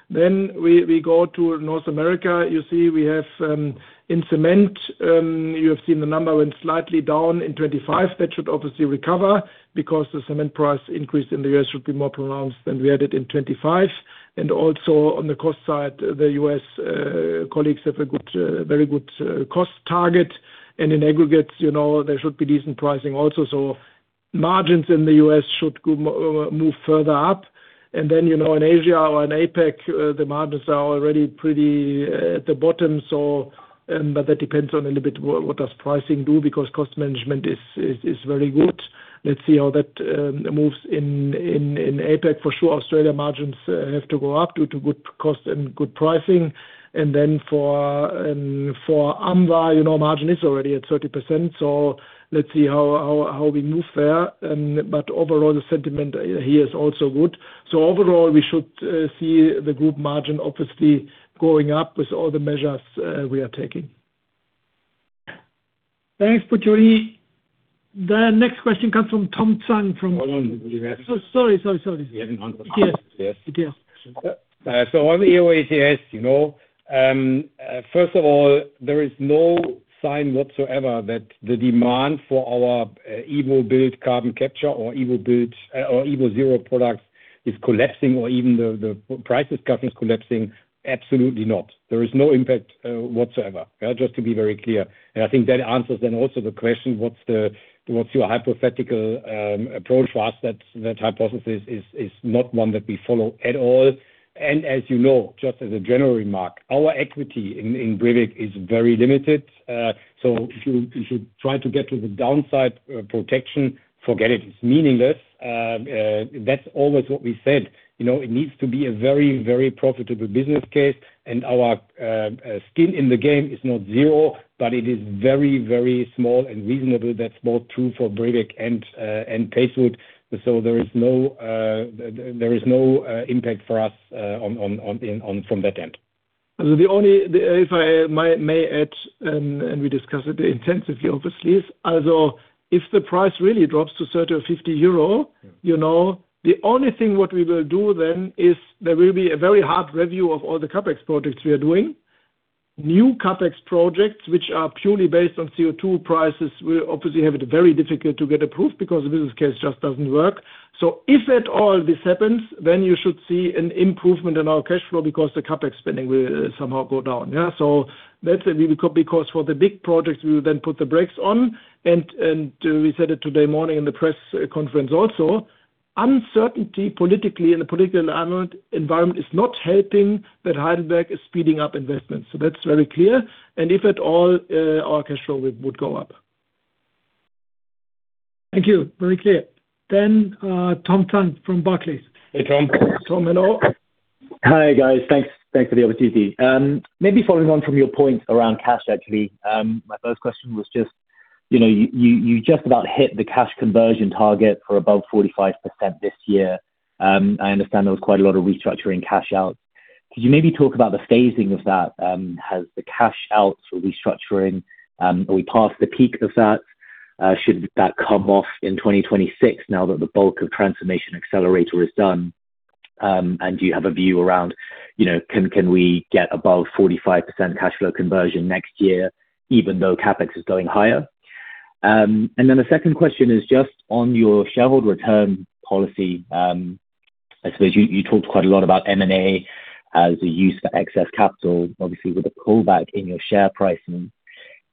We go to North America. You see, we have in cement, you have seen the number went slightly down in 25. That should obviously recover because the cement price increase in the US should be more pronounced than we had it in 25. Also, on the cost side, the U.S. colleagues have a good, very good, cost target. In aggregate, you know, there should be decent pricing also. Margins in the U.S. should move further up. You know, in Asia or in APAC, the margins are already pretty at the bottom. That depends on a little bit what does pricing do, because cost management is very good. Let's see how that moves in APAC. For sure, Australia margins have to go up due to good cost and good pricing. For AMVA, you know, margin is already at 30%, let's see how we move there. Overall, the sentiment here is also good. Overall, we should see the group margin obviously going up with all the measures we are taking.... Thanks, Pujarini. The next question comes from Tom Zhang from. Hold on. sorry. Yes. Yes. On the AOACS, you know, first of all, there is no sign whatsoever that the demand for our evoBuild carbon capture or evoBuild or evoZero products is collapsing or even the prices carbon is collapsing. Absolutely not. There is no impact whatsoever. Just to be very clear, and I think that answers then also the question, what's your hypothetical approach for us? That hypothesis is not one that we follow at all, and as you know, just as a general remark, our equity in Brevik is very limited. If you try to get to the downside protection, forget it. It's meaningless. That's always what we said. You know, it needs to be a very, very profitable business case, and our skin in the game is not zero, but it is very, very small and reasonable. That's both true for Brevik and Padeswood. There is no impact for us on, on, in, on from that end. The only, if I may add, we discussed it intensively, obviously, although if the price really drops to 30 or 50 euro, you know, the only thing what we will do then is there will be a very hard review of all the CapEx projects we are doing. New CapEx projects, which are purely based on CO2 prices, will obviously have it very difficult to get approved because the business case just doesn't work. If at all this happens, then you should see an improvement in our cash flow because the CapEx spending will somehow go down. Yeah, that's a really because for the big projects, we will then put the brakes on and we said it today morning in the press conference also, uncertainty politically in the political environment is not helping, that Heidelberg is speeding up investments. that's very clear, and if at all, our cash flow would go up. Thank you. Very clear. Tom Zhang from Barclays. Hey, Tom. Tom, hello. Hi, guys. Thanks for the opportunity. Maybe following on from your point around cash, actually, my first question was just, you know, you just about hit the cash conversion target for above 45% this year. I understand there was quite a lot of restructuring cash outs. Could you maybe talk about the phasing of that? Has the cash outs or restructuring, are we past the peak of that? Should that come off in 2026 now that the bulk of Transformation Accelerator is done? Do you have a view around, you know, can we get above 45% cash flow conversion next year, even though CapEx is going higher? Then the second question is just on your shareholder return policy. I suppose you talked quite a lot about M&A as a use for excess capital. With a pullback in your share pricing,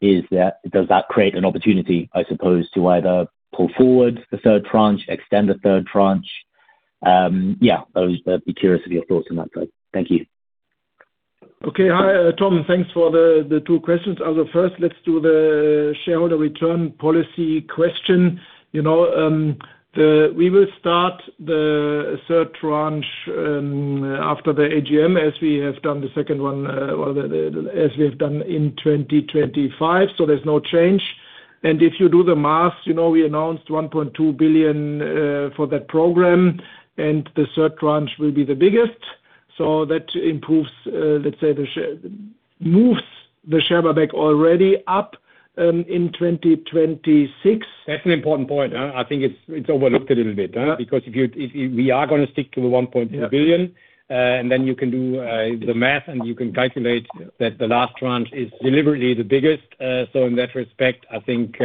does that create an opportunity, I suppose to either pull forward the third tranche, extend the third tranche? Yeah, I would be curious of your thoughts on that side. Thank you. Okay. Hi, Tom, thanks for the 2 questions. As a first, let's do the shareholder return policy question. You know, we will start the 3rd tranche after the AGM, as we have done the 2nd one, well, as we have done in 2025, there's no change. If you do the math, you know, we announced 1.2 billion for that program, the 3rd tranche will be the biggest. That improves, let's say, moves the share buyback already up in 2026. That's an important point, I think it's overlooked a little bit, because if we are gonna stick to the 1.2 billion, and then you can do the math, and you can calculate that the last tranche is deliberately the biggest. In that respect, I think,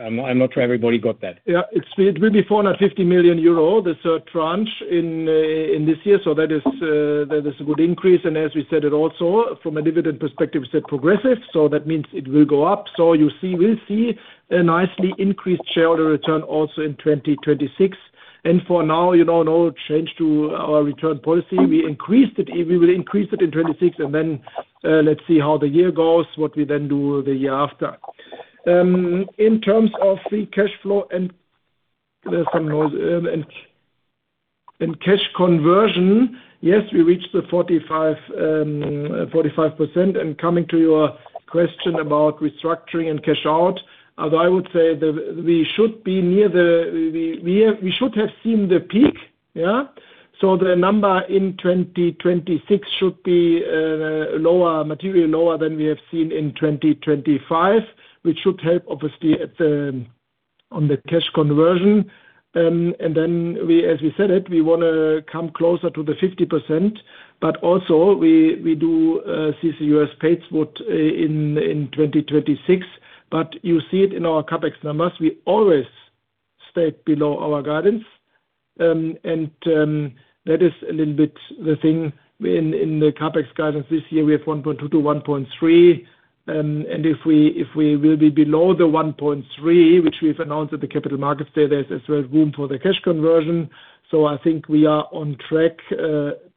I'm not sure everybody got that. It will be 450 million euro, the third tranche this year. That is a good increase. As we said, it also, from a dividend perspective, we said progressive, that means it will go up. You see, we'll see a nicely increased shareholder return also in 2026. For now, you know, no change to our return policy. We increased it. We will increase it in 2026, let's see how the year goes, what we then do the year after. In terms of free cash flow and there's some noise, and cash conversion, yes, we reached the 45%. Coming to your question about restructuring and cash out, as I would say, we should be near the, we should have seen the peak. Yeah? The number in 2026 should be lower, materially lower than we have seen in 2025, which should help obviously at the on the cash conversion. We, as we said it, we wanna come closer to the 50%, but also we do CCUS Padeswood in 2026. You see it in our CapEx numbers, we always stay below our guidance. That is a little bit the thing in the CapEx guidance this year, we have 1.2-1.3. If we will be below the 1.3, which we've announced at the capital markets today, there's as well room for the cash conversion. I think we are on track,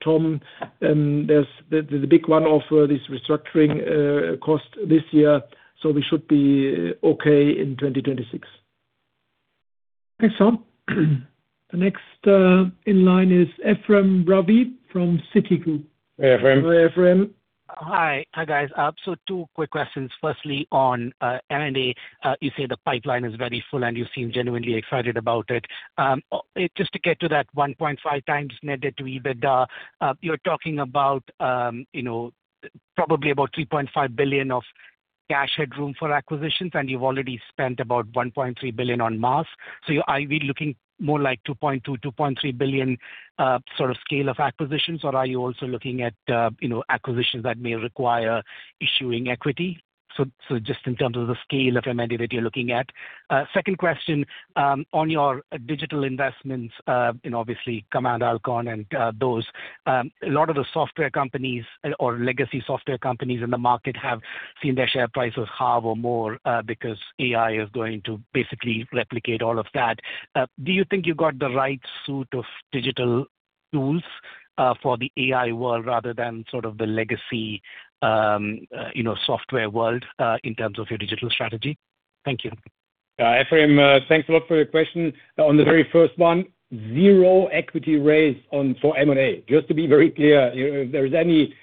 Tom, and there's the big one of this restructuring cost this year, so we should be okay in 2026. Thanks, Tom. The next in line is Ephrem Ravi from Citigroup. Ephraim. Ephraim? Hi. Hi, guys. Two quick questions. Firstly, on M&A, you say the pipeline is very full, and you seem genuinely excited about it. Just to get to that 1.5x net debt to EBITDA, you're talking about, you know, probably about 3.5 billion.... cash headroom for acquisitions, and you've already spent about 1.3 billion on Maas Group. Are we looking more like 2.2 billion-2.3 billion sort of scale of acquisitions, or are you also looking at, you know, acquisitions that may require issuing equity? Just in terms of the scale of M&A that you're looking at. Second question, on your digital investments, and obviously, Command Alkon and those. A lot of the software companies or legacy software companies in the market have seen their share prices halve or more because AI is going to basically replicate all of that. Do you think you've got the right suit of digital tools for the AI world rather than sort of the legacy, you know, software world in terms of your digital strategy? Thank you. Ephrem, thanks a lot for your question. On the very first one, zero equity raise on for M&A. Just to be very clear, if there's any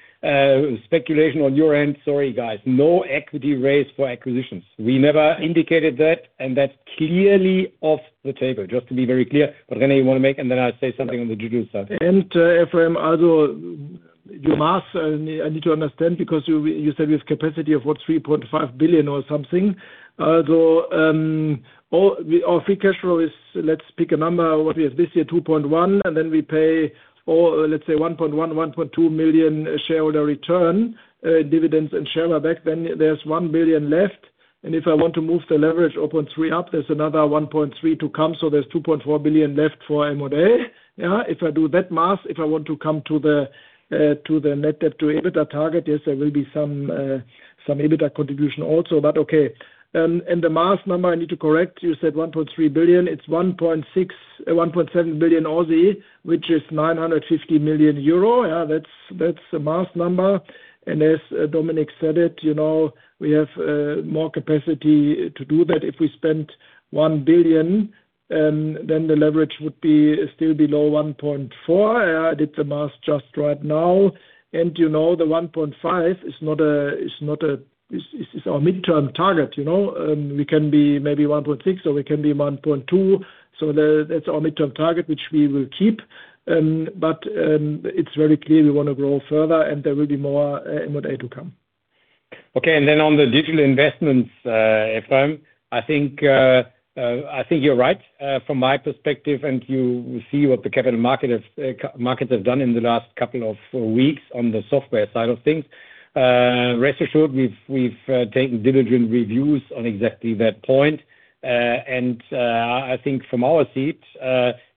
speculation on your end, sorry, guys, no equity raise for acquisitions. We never indicated that, and that's clearly off the table, just to be very clear. Rene, you want to make and then I'll say something on the digital side. Ephrem, also, the math, I need to understand, because you said this capacity of, what, 3.5 billion or something. Our free cash flow is, let's pick a number, what we have this year, 2.1 billion, and then we pay, or let's say, 1.1 million-1.2 million shareholder return, dividends and share buyback, then there's 1 billion left. If I want to move the leverage 0.3 up, there's another 1.3 billion to come, so there's 2.4 billion left for M&A. If I do that math, if I want to come to the net debt to EBITDA target, yes, there will be some EBITDA contribution also. The math number, I need to correct. You said 1.3 billion. It's 1.6, 1.7 billion AUD, which is 950 million euro. Yeah, that's the math number. As Dominic said it, you know, we have more capacity to do that. If we spent 1 billion, then the leverage would be still below 1.4. I did the math just right now, you know, the 1.5 is not our midterm target, you know. We can be maybe 1.6, or we can be 1.2. That's our midterm target, which we will keep. It's very clear we want to grow further, and there will be more M&A to come. Okay. On the digital investments, Ephrem, I think you're right, from my perspective, and you see what the capital market have done in the last couple of weeks on the software side of things. Rest assured, we've taken diligent reviews on exactly that point. I think from our seats,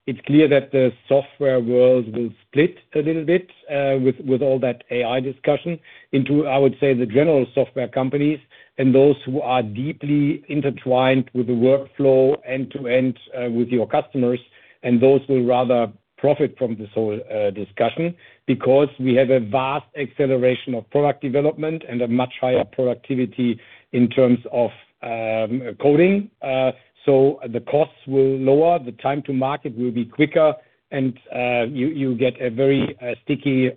it's clear that the software world will split a little bit, with all that AI discussion into, I would say, the general software companies and those who are deeply intertwined with the workflow end to end, with your customers. Those will rather profit from this whole discussion because we have a vast acceleration of product development and a much higher productivity in terms of coding. The costs will lower, the time to market will be quicker, and you get a very sticky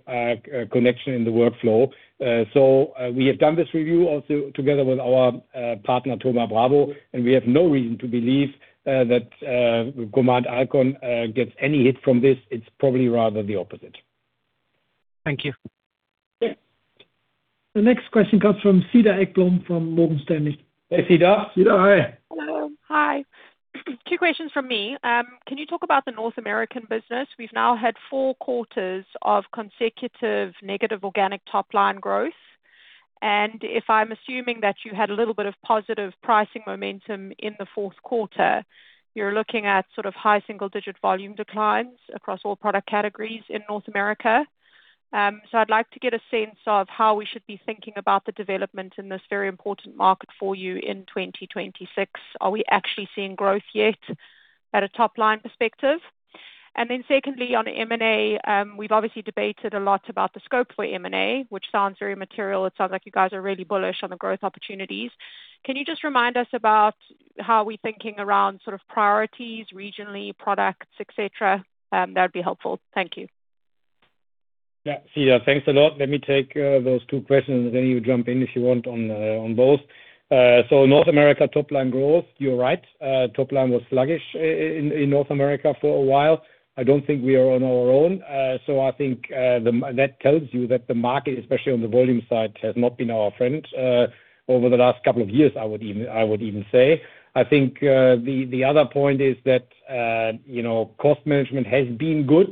connection in the workflow. We have done this review also together with our partner, Thoma Bravo, and we have no reason to believe that Command Alkon gets any hit from this. It's probably rather the opposite. Thank you. Yeah. The next question comes from Cedar Ekblom, from Morgan Stanley. Hey, Cedar. Cedar, hi. Hello. Hi. 2 questions from me. Can you talk about the North American business? We've now had 4 quarters of consecutive negative organic top-line growth, and if I'm assuming that you had a little bit of positive pricing momentum in the 4th quarter, you're looking at sort of high single-digit volume declines across all product categories in North America. I'd like to get a sense of how we should be thinking about the development in this very important market for you in 2026. Are we actually seeing growth yet at a top-line perspective? Secondly, on the M&A, we've obviously debated a lot about the scope for M&A, which sounds very material. It sounds like you guys are really bullish on the growth opportunities. Can you just remind us about how we're thinking around sort of priorities, regionally, products, et cetera? That'd be helpful. Thank you. Yeah, Cedar, thanks a lot. Let me take those two questions, and then you jump in, if you want, on both. North America top line growth, you're right. Top line was sluggish in North America for a while. I don't think we are on our own. I think that tells you that the market, especially on the volume side, has not been our friend over the last couple of years, I would even say. I think the other point is that, you know, cost management has been good,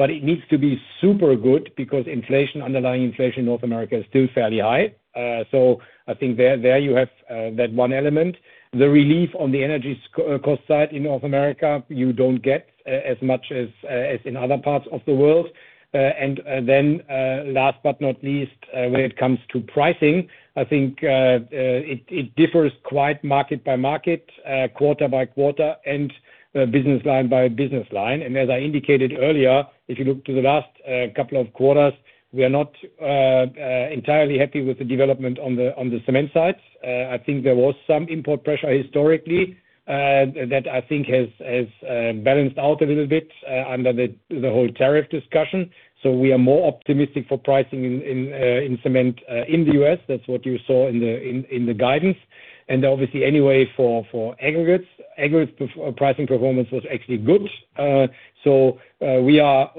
but it needs to be super good because inflation, underlying inflation in North America is still fairly high. I think there you have that one element. The relief on the energy cost side in North America, you don't get as much as in other parts of the world. Last but not least, when it comes to pricing, I think it differs quite market by market, quarter by quarter, and business line by business line. As I indicated earlier, if you look to the last couple of quarters, we are not entirely happy with the development on the cement side. I think there was some import pressure historically that I think has balanced out a little bit under the whole tariff discussion. We are more optimistic for pricing in cement in the U.S. That's what you saw in the guidance. Obviously, anyway, for aggregates pricing performance was actually good. We are.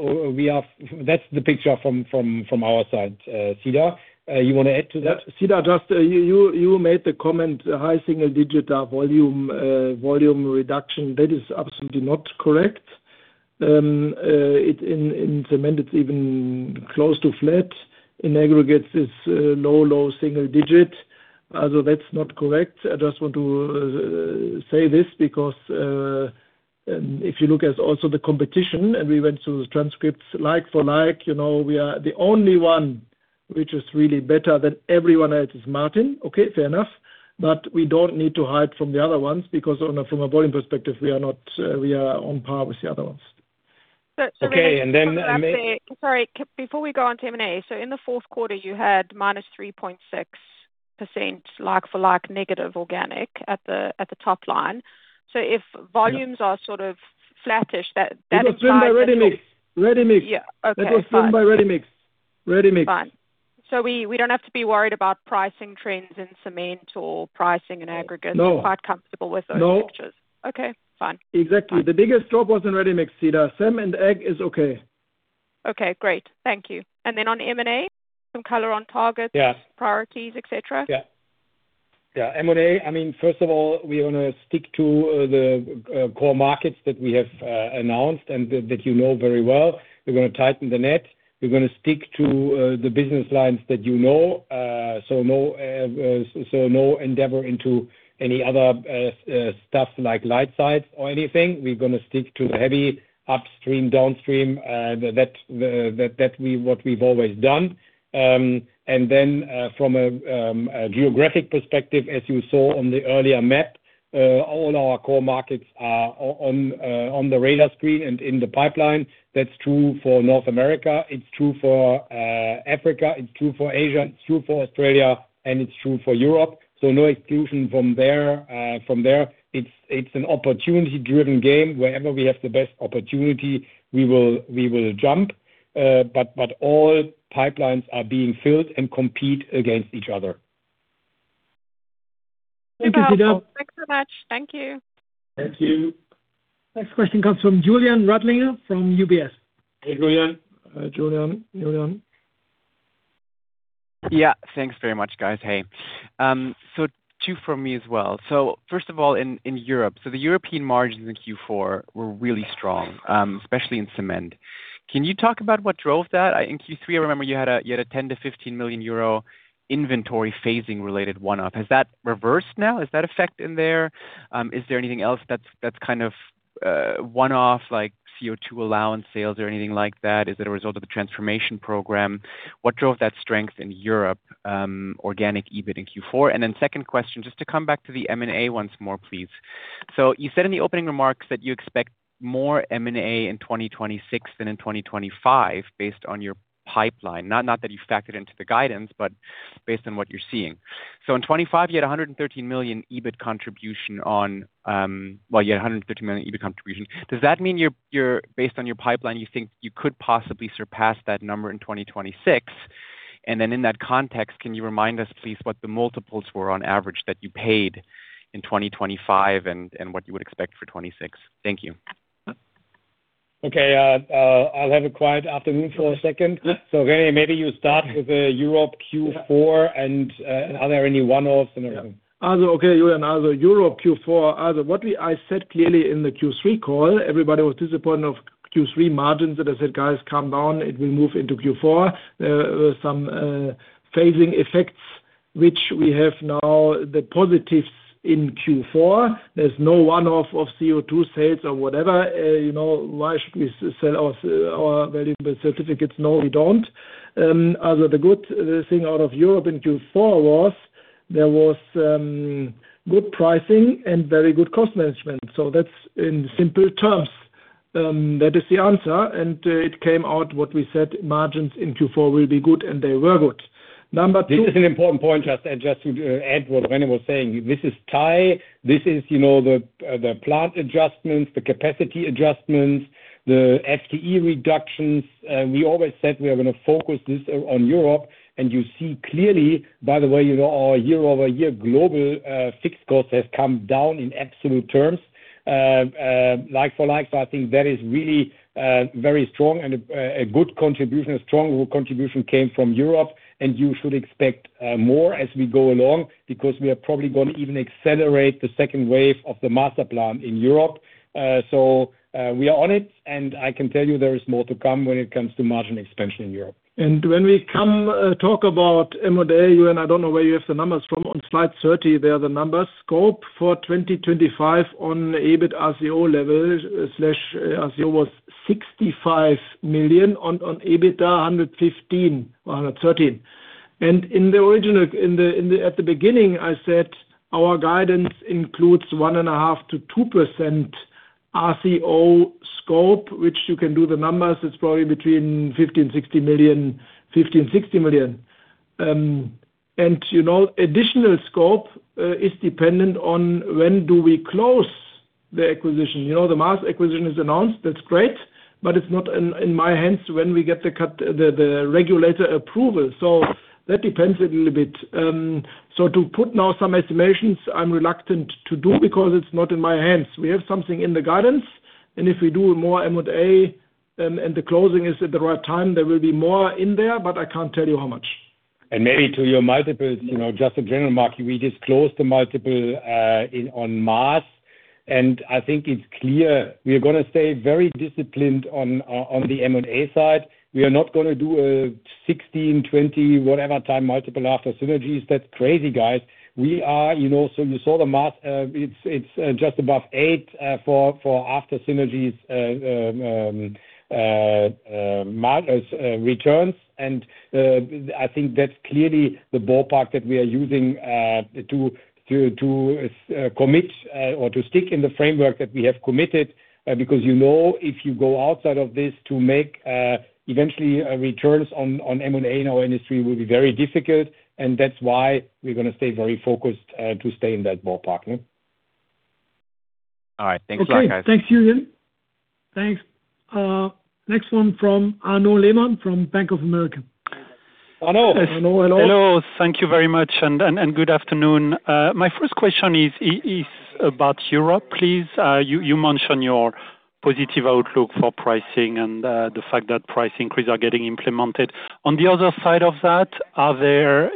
That's the picture from our side, Cedar. You want to add to that? Cedar, just, you made the comment, high single-digit, volume reduction. That is absolutely not correct. In cement, it's even close to flat. In aggregate, it's low, low single digit. Although that's not correct, I just want to say this because if you look at also the competition, and we went through the transcripts, like for like, you know, we are the only one which is really better than everyone else is Martin. Okay, fair enough. We don't need to hide from the other ones because from a volume perspective, we are not, we are on par with the other ones. So, and then- Sorry, before we go on to M&A, so in the Q4, you had -3.6% like for like negative organic at the top line. If volumes are sort of flattish, that. It was driven by ready mix. Yeah. Okay, fine. That was driven by ready mix. Fine. We don't have to be worried about pricing trends in cement or pricing in aggregate. No. Quite comfortable with those pictures? No. Okay, fine. Exactly. The biggest drop was in ready-mix, Cedar. Cement and agg is okay. Okay, great. Thank you. On M&A, some color on targets. Yeah. Priorities, et cetera. M&A, I mean, first of all, we're going to stick to the core markets that we have announced and that you know very well. We're going to tighten the net. We're going to stick to the business lines that you know, no endeavor into any other stuff like light sides or anything. We're going to stick to the heavy upstream, downstream, that we've always done. From a geographic perspective, as you saw on the earlier map, all our core markets are on the radar screen and in the pipeline. That's true for North America, it's true for Africa, it's true for Asia, it's true for Australia, and it's true for Europe. No exclusion from there. From there, it's an opportunity-driven game. Wherever we have the best opportunity, we will jump, but all pipelines are being filled and compete against each other. Thank you, Cedar. Thanks so much. Thank you. Thank you. Next question comes from Julian Radlinger from UBS. Hey, Julian. Julian. Thanks very much, guys. Hey. Two for me as well. First of all, in Europe, the European margins in Q4 were really strong, especially in cement. Can you talk about what drove that? In Q3, I remember you had a 10 million-15 million euro inventory phasing related one-off. Has that reversed now? Is that effect in there? Is there anything else that's kind of one-off, like CO2 allowance sales or anything like that? Is it a result of the Transformation Program? What drove that strength in Europe, organic EBIT in Q4? Second question, just to come back to the M&A once more, please. You said in the opening remarks that you expect more M&A in 2026 than in 2025 based on your pipeline. Not that you've factored into the guidance, but based on what you're seeing. In 2025, you had 113 million EBIT contribution on, well, yeah, 113 million EBIT contribution. Does that mean your, based on your pipeline, you think you could possibly surpass that number in 2026? In that context, can you remind us, please, what the multiples were on average that you paid in 2025 and what you would expect for 2026? Thank you. Okay, I'll have a quiet afternoon for a second. Rene, maybe you start with the Europe Q4, and are there any one-offs or anything? Okay, Julian. As Europe Q4, I said clearly in the Q3 call, everybody was disappointed of Q3 margins, that I said, "Guys, calm down, it will move into Q4." Some phasing effects, which we have now, the positives in Q4, there's no one-off of CO2 sales or whatever. You know, why should we sell off our valuable certificates? No, we don't. Other the good thing out of Europe in Q4 was there was good pricing and very good cost management. That's in simple terms, that is the answer, it came out what we said, margins in Q4 will be good, and they were good. Number 2. This is an important point, just to add what Rene was saying. This is TIE, this is, you know, the plant adjustments, the capacity adjustments, the FTE reductions. We always said we are gonna focus this on Europe, and you see clearly, by the way, you know, our year-over-year global fixed cost has come down in absolute terms like for like. I think that is really very strong and a good contribution, a strong contribution came from Europe, and you should expect more as we go along because we are probably going to even accelerate the second wave of the master plan in Europe. We are on it, and I can tell you there is more to come when it comes to margin expansion in Europe. When we come talk about M&A, I don't know where you have the numbers from. On slide 30, they are the numbers. Scope for 2025 on EBIT RCO level/RCO was 65 million, on EBITDA, 115 or 113. In the original, at the beginning, I said our guidance includes 1.5%-2% RCO scope, which you can do the numbers, it's probably between 50 million and 60 million. You know, additional scope is dependent on when do we close the acquisition. You know, the Maas acquisition is announced, that's great, but it's not in my hands when we get the regulator approval. That depends a little bit. To put now some estimations, I'm reluctant to do because it's not in my hands. We have something in the guidance, if we do more M&A and the closing is at the right time, there will be more in there, but I can't tell you how much.... Maybe to your multiples, you know, just a general market, we just closed the multiple in on Maas Group, and I think it's clear we are going to stay very disciplined on the M&A side. We are not going to do a 16x, 20x, whatever time multiple after synergies. That's crazy, guys. We are, you know, so you saw the math, it's just above 8x for after synergies margins returns. I think that's clearly the ballpark that we are using to commit or to stick in the framework that we have committed. Because, you know, if you go outside of this to make, eventually, returns on M&A in our industry will be very difficult. That's why we're gonna stay very focused, to stay in that ballpark, yeah. All right. Thanks a lot, guys. Okay. Thanks, Julian. Thanks. Next one from Arnaud Lehmann, from Bank of America. Arnaud. Arnaud, hello. Hello. Thank you very much, and good afternoon. My first question is about Europe, please. You mentioned your positive outlook for pricing and the fact that price increase are getting implemented. On the other side of that,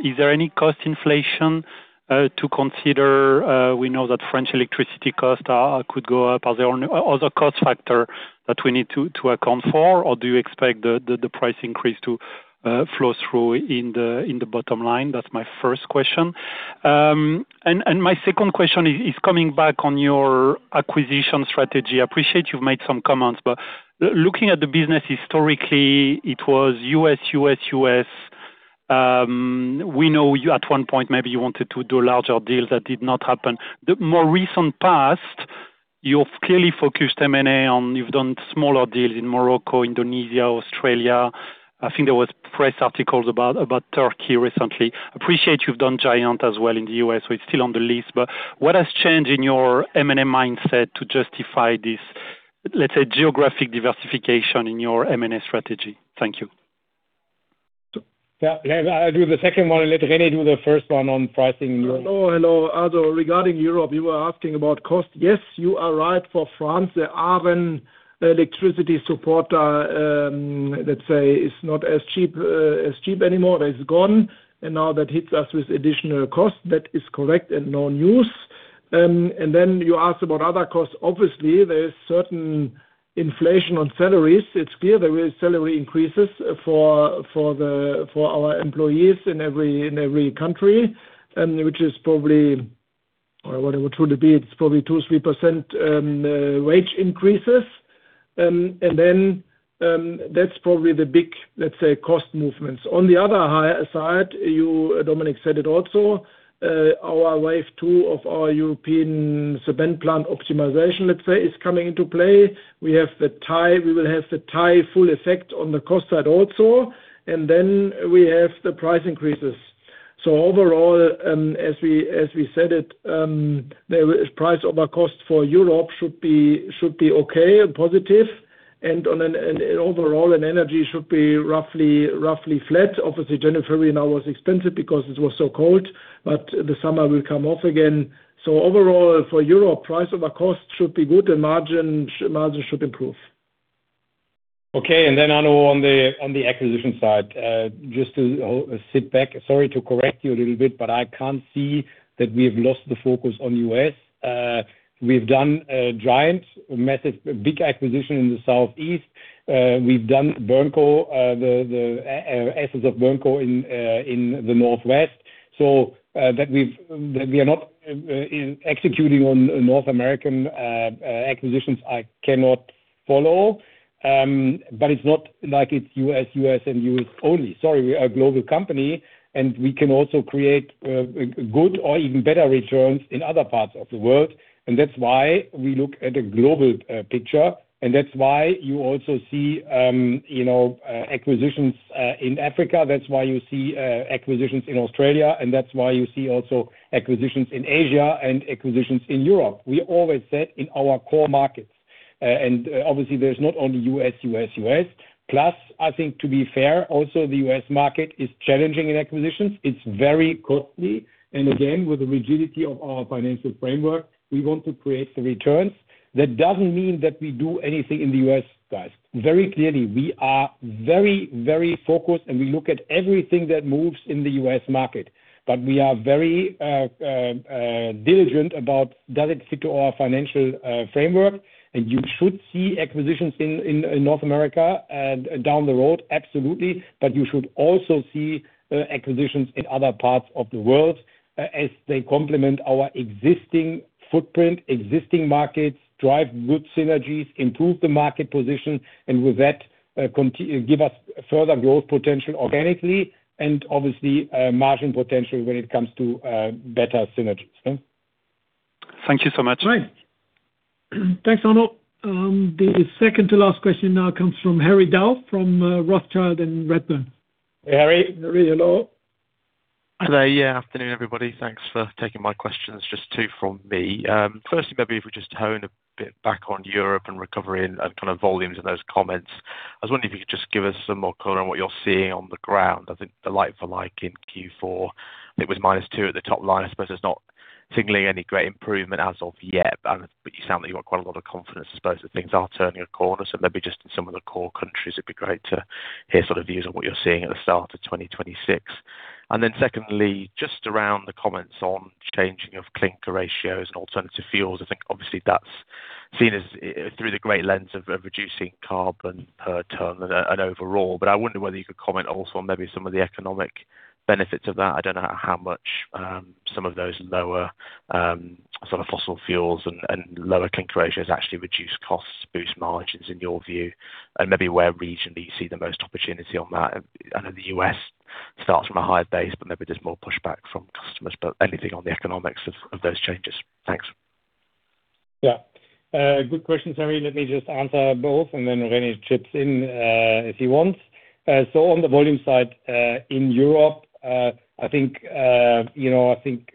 is there any cost inflation to consider? We know that French electricity costs could go up. Are there any other cost factor that we need to account for, or do you expect the price increase to flow through in the bottom line? That's my first question. My second question is coming back on your acquisition strategy. I appreciate you've made some comments, but looking at the business historically, it was US. We know you at one point, maybe you wanted to do a larger deal that did not happen. The more recent past, you've clearly focused M&A on, you've done smaller deals in Morocco, Indonesia, Australia. I think there was press articles about Turkey recently. Appreciate you've done Giatec as well in the U.S., so it's still on the list. What has changed in your M&A mindset to justify this, let's say, geographic diversification in your M&A strategy? Thank you. Yeah, I'll do the second one and let René do the first one on pricing. Hello, hello, Arnaud. Regarding Europe, you were asking about cost. Yes, you are right. For France, the oven electricity support, let's say, is not as cheap, as cheap anymore. That is gone, and now that hits us with additional cost. That is correct and no news. You ask about other costs. Obviously, there is certain inflation on salaries. It's clear there is salary increases for our employees in every country, which is probably, or what it would truly be, it's probably 2-3%, wage increases. That's probably the big, let's say, cost movements. On the other side, you, Dominic said it also, our wave two of our European spend plan optimization, let's say, is coming into play. We will have the TIE full effect on the cost side also, and then we have the price increases. As we said it, the price of our cost for Europe should be okay and positive, overall, energy should be roughly flat. Obviously, January, February now was expensive because it was so cold, but the summer will come off again. Overall, for Europe, price of our cost should be good and margin should improve. Arnaud, on the acquisition side, just to sit back, sorry to correct you a little bit, I can't see that we've lost the focus on U.S. We've done a giant, massive, big acquisition in the Southeast. We've done BURNCO, the assets of BURNCO in the Northwest. That we've, that we are not executing on North American acquisitions, I cannot follow. It's not like it's U.S., U.S., and U.S. only. Sorry, we are a global company, we can also create good or even better returns in other parts of the world, that's why we look at a global picture, that's why you also see, you know, acquisitions in Africa. That's why you see acquisitions in Australia, and that's why you see also acquisitions in Asia and acquisitions in Europe. We always said in our core markets, and obviously there's not only U.S., U.S., U.S. I think to be fair, also, the U.S. market is challenging in acquisitions. It's very costly, and again, with the rigidity of our financial framework, we want to create the returns. That doesn't mean that we do anything in the U.S., guys. Very clearly, we are very, very focused, and we look at everything that moves in the U.S. market. We are very diligent about does it fit to our financial framework? You should see acquisitions in North America down the road, absolutely. You should also see acquisitions in other parts of the world, as they complement our existing footprint, existing markets, drive good synergies, improve the market position, and with that, give us further growth potential organically and obviously, margin potential when it comes to better synergies. Thank you so much. Right. Thanks, Arnaud. The second to last question now comes from Harry Dow from Rothschild & Co Redburn. Harry. Harry, hello. Hello. Yeah, afternoon, everybody. Thanks for taking my questions. Just two from me. Firstly, maybe if we just hone a bit back on Europe and recovery and kind of volumes and those comments. I was wondering if you could just give us some more color on what you're seeing on the ground. I think the like-for-like in Q4, I think it was -2% at the top line. I suppose it's not signaling any great improvement as of yet, but you sound like you've got quite a lot of confidence. I suppose that things are turning a corner, so maybe just in some of the core countries, it'd be great to hear sort of views on what you're seeing at the start of 2026. Secondly, just around the comments on changing of clinker ratios and alternative fuels. I think obviously that's seen as through the great lens of reducing carbon per ton and overall. I wonder whether you could comment also on maybe some of the economic benefits of that. I don't know how much some of those lower sort of fossil fuels and lower clinker ratios actually reduce costs, boost margins, in your view, and maybe where regionally you see the most opportunity on that. I know the U.S. starts from a higher base, but maybe there's more pushback from customers. Anything on the economics of those changes? Thanks. Yeah. Good question, Harry. Let me just answer both and then Rene chips in if he wants. On the volume side in Europe, I think, you know, I think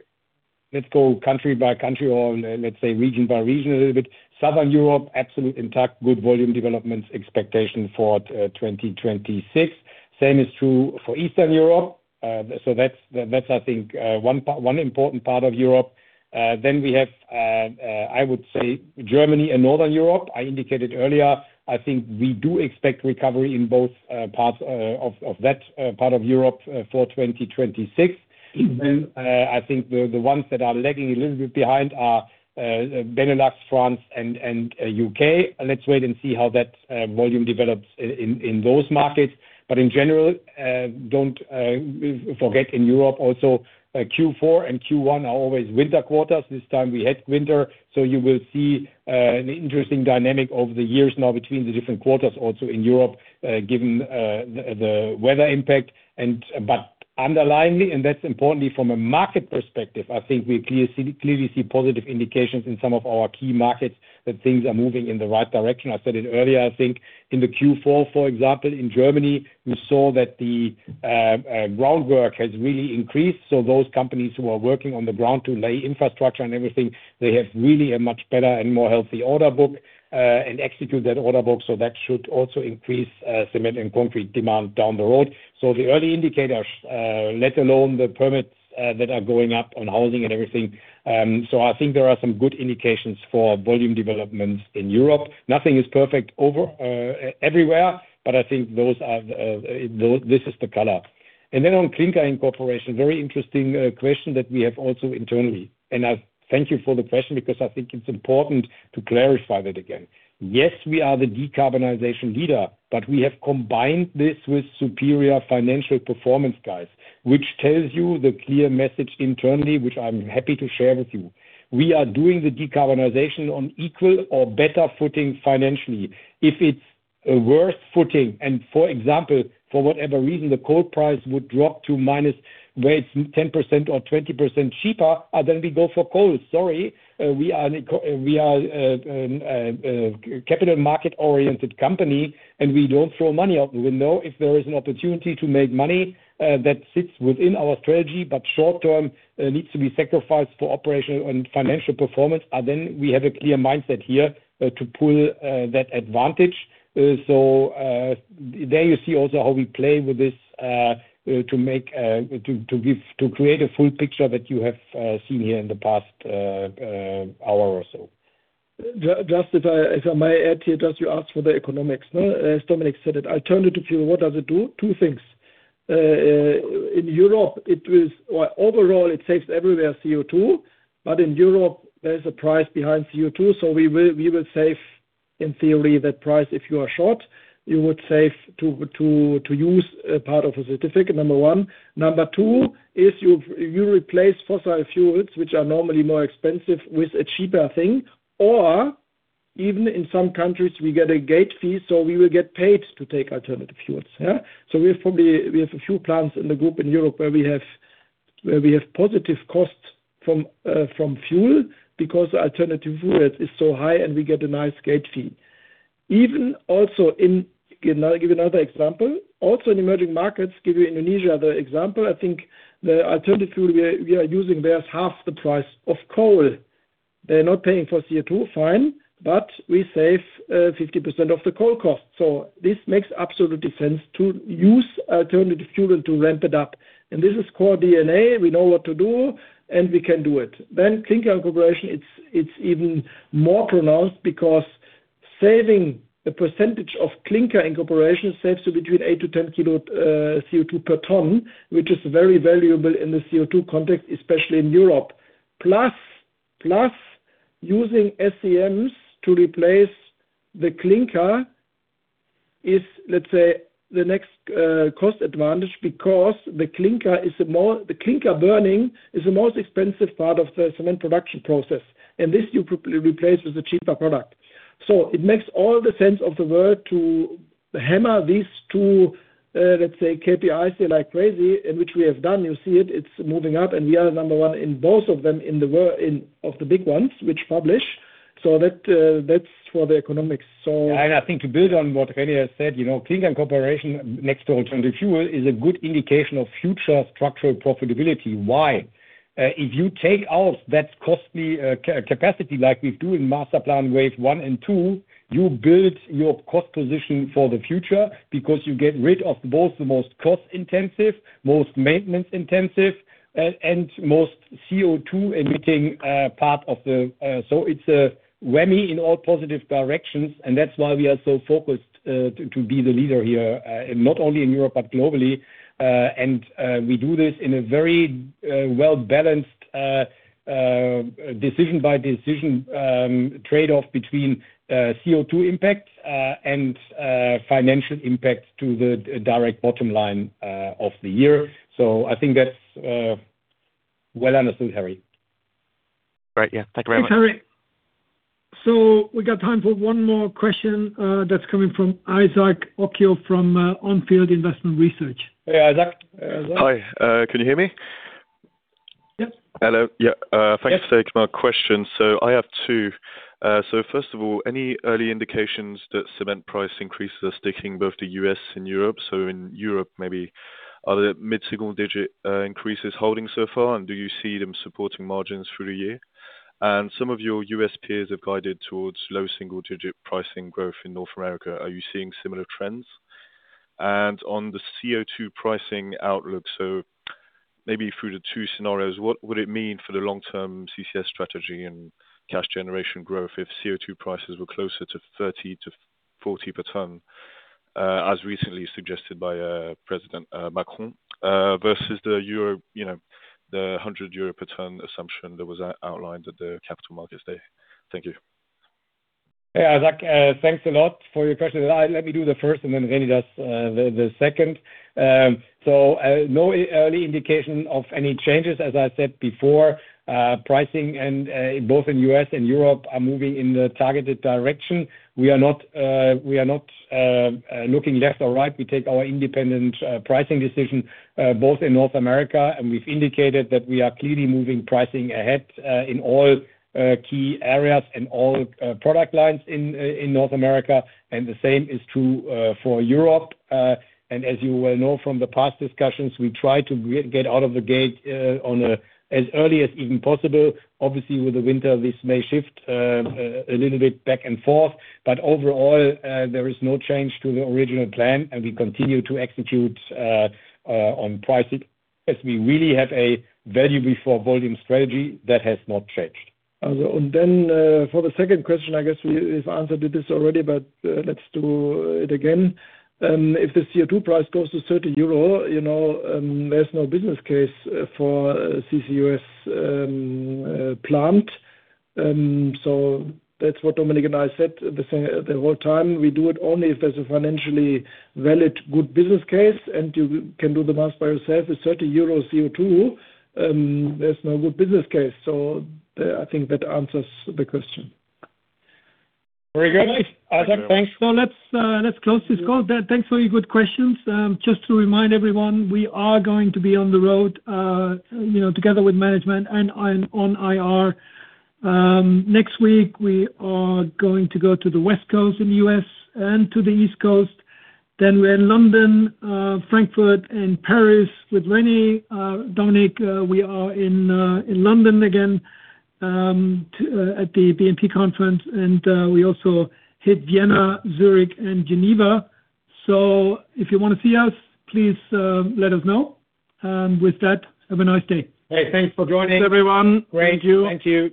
let's go country by country or let's say region by region, a little bit. Southern Europe, absolute intact, good volume developments expectation for 2026. Same is true for Eastern Europe. That's I think one part, one important part of Europe. We have, I would say Germany and Northern Europe. I indicated earlier, I think we do expect recovery in both parts of that part of Europe for 2026. I think the ones that are lagging a little bit behind are Benelux, France, and UK. Let's wait and see how that volume develops in those markets. In general, don't forget in Europe also, Q4 and Q1 are always winter quarters. This time we had winter, you will see an interesting dynamic over the years now between the different quarters also in Europe, given the weather impact. Underlyingly, and that's importantly from a market perspective, I think we clearly see positive indications in some of our key markets that things are moving in the right direction. I said it earlier, I think in the Q4, for example, in Germany, we saw that the groundwork has really increased. Those companies who are working on the ground to lay infrastructure and everything, they have really a much better and more healthy order book and execute that order book. That should also increase cement and concrete demand down the road. The early indicators, let alone the permits, that are going up on housing and everything, so I think there are some good indications for volume developments in Europe. Nothing is perfect over everywhere, but I think this is the color. On clinker incorporation, very interesting question that we have also internally, and I thank you for the question because I think it's important to clarify that again. Yes, we are the decarbonization leader, but we have combined this with superior financial performance guys, which tells you the clear message internally, which I'm happy to share with you. We are doing the decarbonization on equal or better footing financially. If it's a worse footing, and for example, for whatever reason, the coal price would drop to minus where it's 10% or 20% cheaper, then we go for coal. Sorry, we are capital market-oriented company, and we don't throw money out the window. If there is an opportunity to make money, that sits within our strategy, but short term needs to be sacrificed for operational and financial performance, and then we have a clear mindset here to pull that advantage. There you see also how we play with this to make, to give, to create a full picture that you have seen here in the past hour or so. Just if I, if I may add here, just you asked for the economics, no? As Dominic said it, alternative fuel, what does it do? Two things. In Europe, it is, well, overall, it saves everywhere CO2, but in Europe, there is a price behind CO2. We will save, in theory, that price, if you are short, you would save to use a part of a certificate, number one. Number two, if you replace fossil fuels, which are normally more expensive, with a cheaper thing, or even in some countries, we get a gate fee, so we will get paid to take alternative fuels. Yeah? We have probably, we have a few plants in the group in Europe, where we have positive costs from fuel because alternative fuel is so high, and we get a nice gate fee. Also, I'll give you another example, also in emerging markets, give you Indonesia, the example, I think the alternative fuel we are using there is half the price of coal. They're not paying for CO2, fine, but we save 50% of the coal cost. This makes absolute sense to use alternative fuel to ramp it up. This is core DNA. We know what to do, and we can do it. Clinker incorporation, it's even more pronounced because saving the percentage of clinker in incorporation saves between 8-10 kilo CO2 per ton, which is very valuable in the CO2 context, especially in Europe. Plus, using SCMs to replace the clinker is, let's say, the next cost advantage because the clinker burning is the most expensive part of the cement production process, and this you replace with a cheaper product. It makes all the sense of the world to hammer these two, let's say, KPIs like crazy, and which we have done. You see it's moving up, and we are number one in both of them, in of the big ones which publish. That's for the economics. I think to build on what Rene has said, you know, clinker incorporation next to alternative fuel is a good indication of future structural profitability. Why? If you take out that costly capacity like we do in master plan wave 1 and 2, you build your cost position for the future because you get rid of both the most cost intensive, most maintenance intensive, and most CO2 emitting part of the... It's a Remy in all positive directions, and that's why we are so focused to be the leader here, not only in Europe, but globally. We do this in a very well-balanced decision by decision trade-off between CO2 impact and financial impact to the direct bottom line of the year. I think that's, well understood, Harry. Great. Yeah, thank you very much. Thanks, Harry. We got time for one more question, that's coming from Yassine Touahri from On Field Investment Research. Hey, Yassine. Hi, can you hear me? Yep. Yeah. Thank you so much. My question, so I have 2. First of all, any early indications that cement price increases are sticking both the U.S. and Europe? In Europe, maybe are the mid-single-digit increases holding so far, and do you see them supporting margins through the year? Some of your U.S. peers have guided towards low-single-digit pricing growth in North America. Are you seeing similar trends? On the CO2 pricing outlook, so maybe through the 2 scenarios, what would it mean for the long-term CCS strategy and cash generation growth if CO2 prices were closer to 30-40 per ton, as recently suggested by President Macron, versus the Europe, you know, the 100 euro per ton assumption that was outlined at the Capital Markets Day? Thank you. Hey, Yassine, thanks a lot for your question. Let me do the first and then Rene does the second. No early indication of any changes. As I said before, pricing and both in U.S. and Europe, are moving in the targeted direction. We are not looking left or right. We take our independent pricing decision both in North America, and we've indicated that we are clearly moving pricing ahead in all key areas and all product lines in North America, and the same is true for Europe. As you well know from the past discussions, we try to get out of the gate on a as early as even possible. Obviously, with the winter, this may shift a little bit back and forth. Overall, there is no change to the original plan. We continue to execute on pricing as we really have a value before volume strategy, that has not changed. For the second question, I guess we have answered it this already, but let's do it again. If the CO2 price goes to EUR 30, you know, there's no business case for CCUS plant. That's what Dominic and I said the same, the whole time. We do it only if there's a financially valid, good business case, and you can do the math by yourself, with 30 euros CO2, there's no good business case. I think that answers the question. Very good. Yassine, thanks. Let's close this call. Thanks for your good questions. Just to remind everyone, we are going to be on the road, you know, together with management and on IR. Next week, we are going to go to the West Coast in the U.S. and to the East Coast. We're in London, Frankfurt and Paris with Rene, Dominic, we are in London again at the BNP conference, we also hit Vienna, Zurich, and Geneva. If you wanna see us, please, let us know. With that, have a nice day. Hey, thanks for joining. Thanks, everyone. Thank you. Thank you.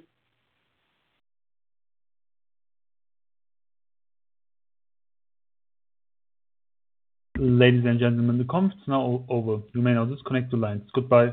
Ladies and gentlemen, the conference is now over. You may now disconnect your lines. Goodbye.